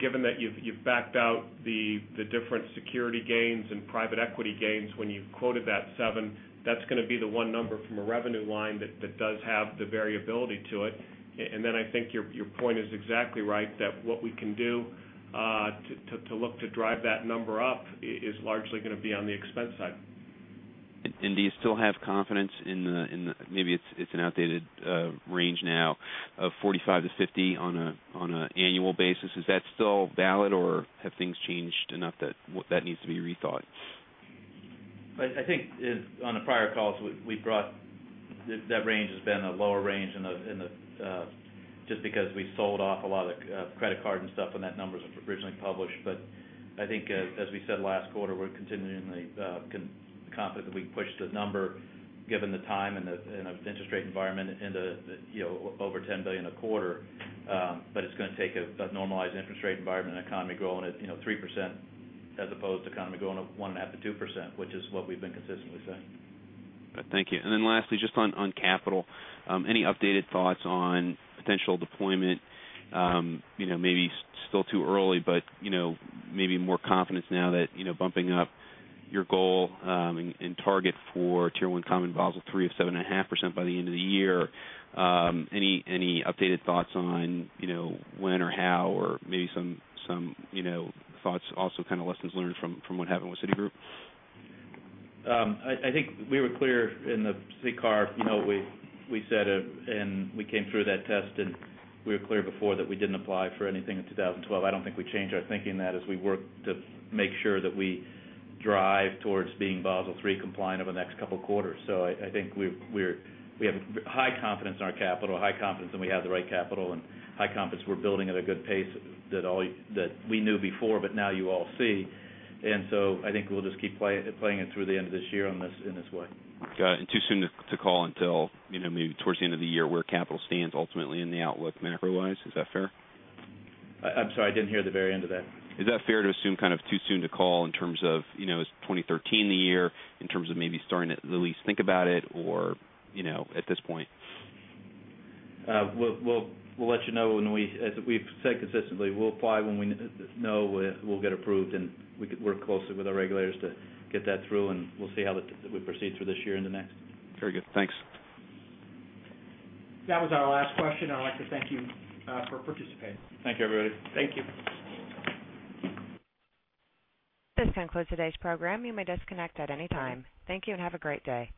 given that you've backed out the different security gains and private equity gains, when you've quoted that seven, that's going to be the one number from a revenue line that does have the variability to it. I think your point is exactly right that what we can do to look to drive that number up is largely going to be on the expense side. Do you still have confidence in the, maybe it's an outdated range now of $45 billion-$50 billion on an annual basis? Is that still valid or have things changed enough that that needs to be rethought? I think on a prior call, we brought that range has been a lower range just because we sold off a lot of the credit card and stuff, and that number was originally published. I think, as we said last quarter, we're continuing the confidence that we can push the number, given the time and the interest rate environment, into over $10 billion a quarter. It's going to take a normalized interest rate environment and economy growing at 3% as opposed to the economy growing at 1.5%-2%, which is what we've been consistently saying. Thank you. Lastly, just on capital, any updated thoughts on potential deployment? Maybe still too early, but maybe more confidence now that bumping up your goal and target for Tier 1 common Basel III of 7.5% by the end of the year. Any updated thoughts on when or how, or maybe some thoughts also, kind of lessons learned from what happened with Citigroup? I think we were clear in the CCAR, you know, we said, and we came through that test, and we were clear before that we didn't apply for anything in 2012. I don't think we changed our thinking in that as we worked to make sure that we drive towards being Basel III compliant over the next couple of quarters. I think we have high confidence in our capital, high confidence that we have the right capital, and high confidence we're building at a good pace that we knew before, but now you all see. I think we'll just keep playing it through the end of this year in this way. Got it. Too soon to call until maybe towards the end of the year where capital stands ultimately in the outlook macro-wise. Is that fair? I'm sorry, I didn't hear the very end of that. Is that fair to assume, kind of too soon to call in terms of, you know, is 2013 the year in terms of maybe starting to at least think about it, or, you know, at this point? We'll let you know, as we've said consistently, we'll apply when we know we'll get approved. We work closely with our regulators to get that through, and we'll see how we proceed through this year and the next. Very good. Thanks. That was our last question. I'd like to thank you for participating. Thank you, everybody. Thank you. This concludes today's program. You may disconnect at any time. Thank you and have a great day.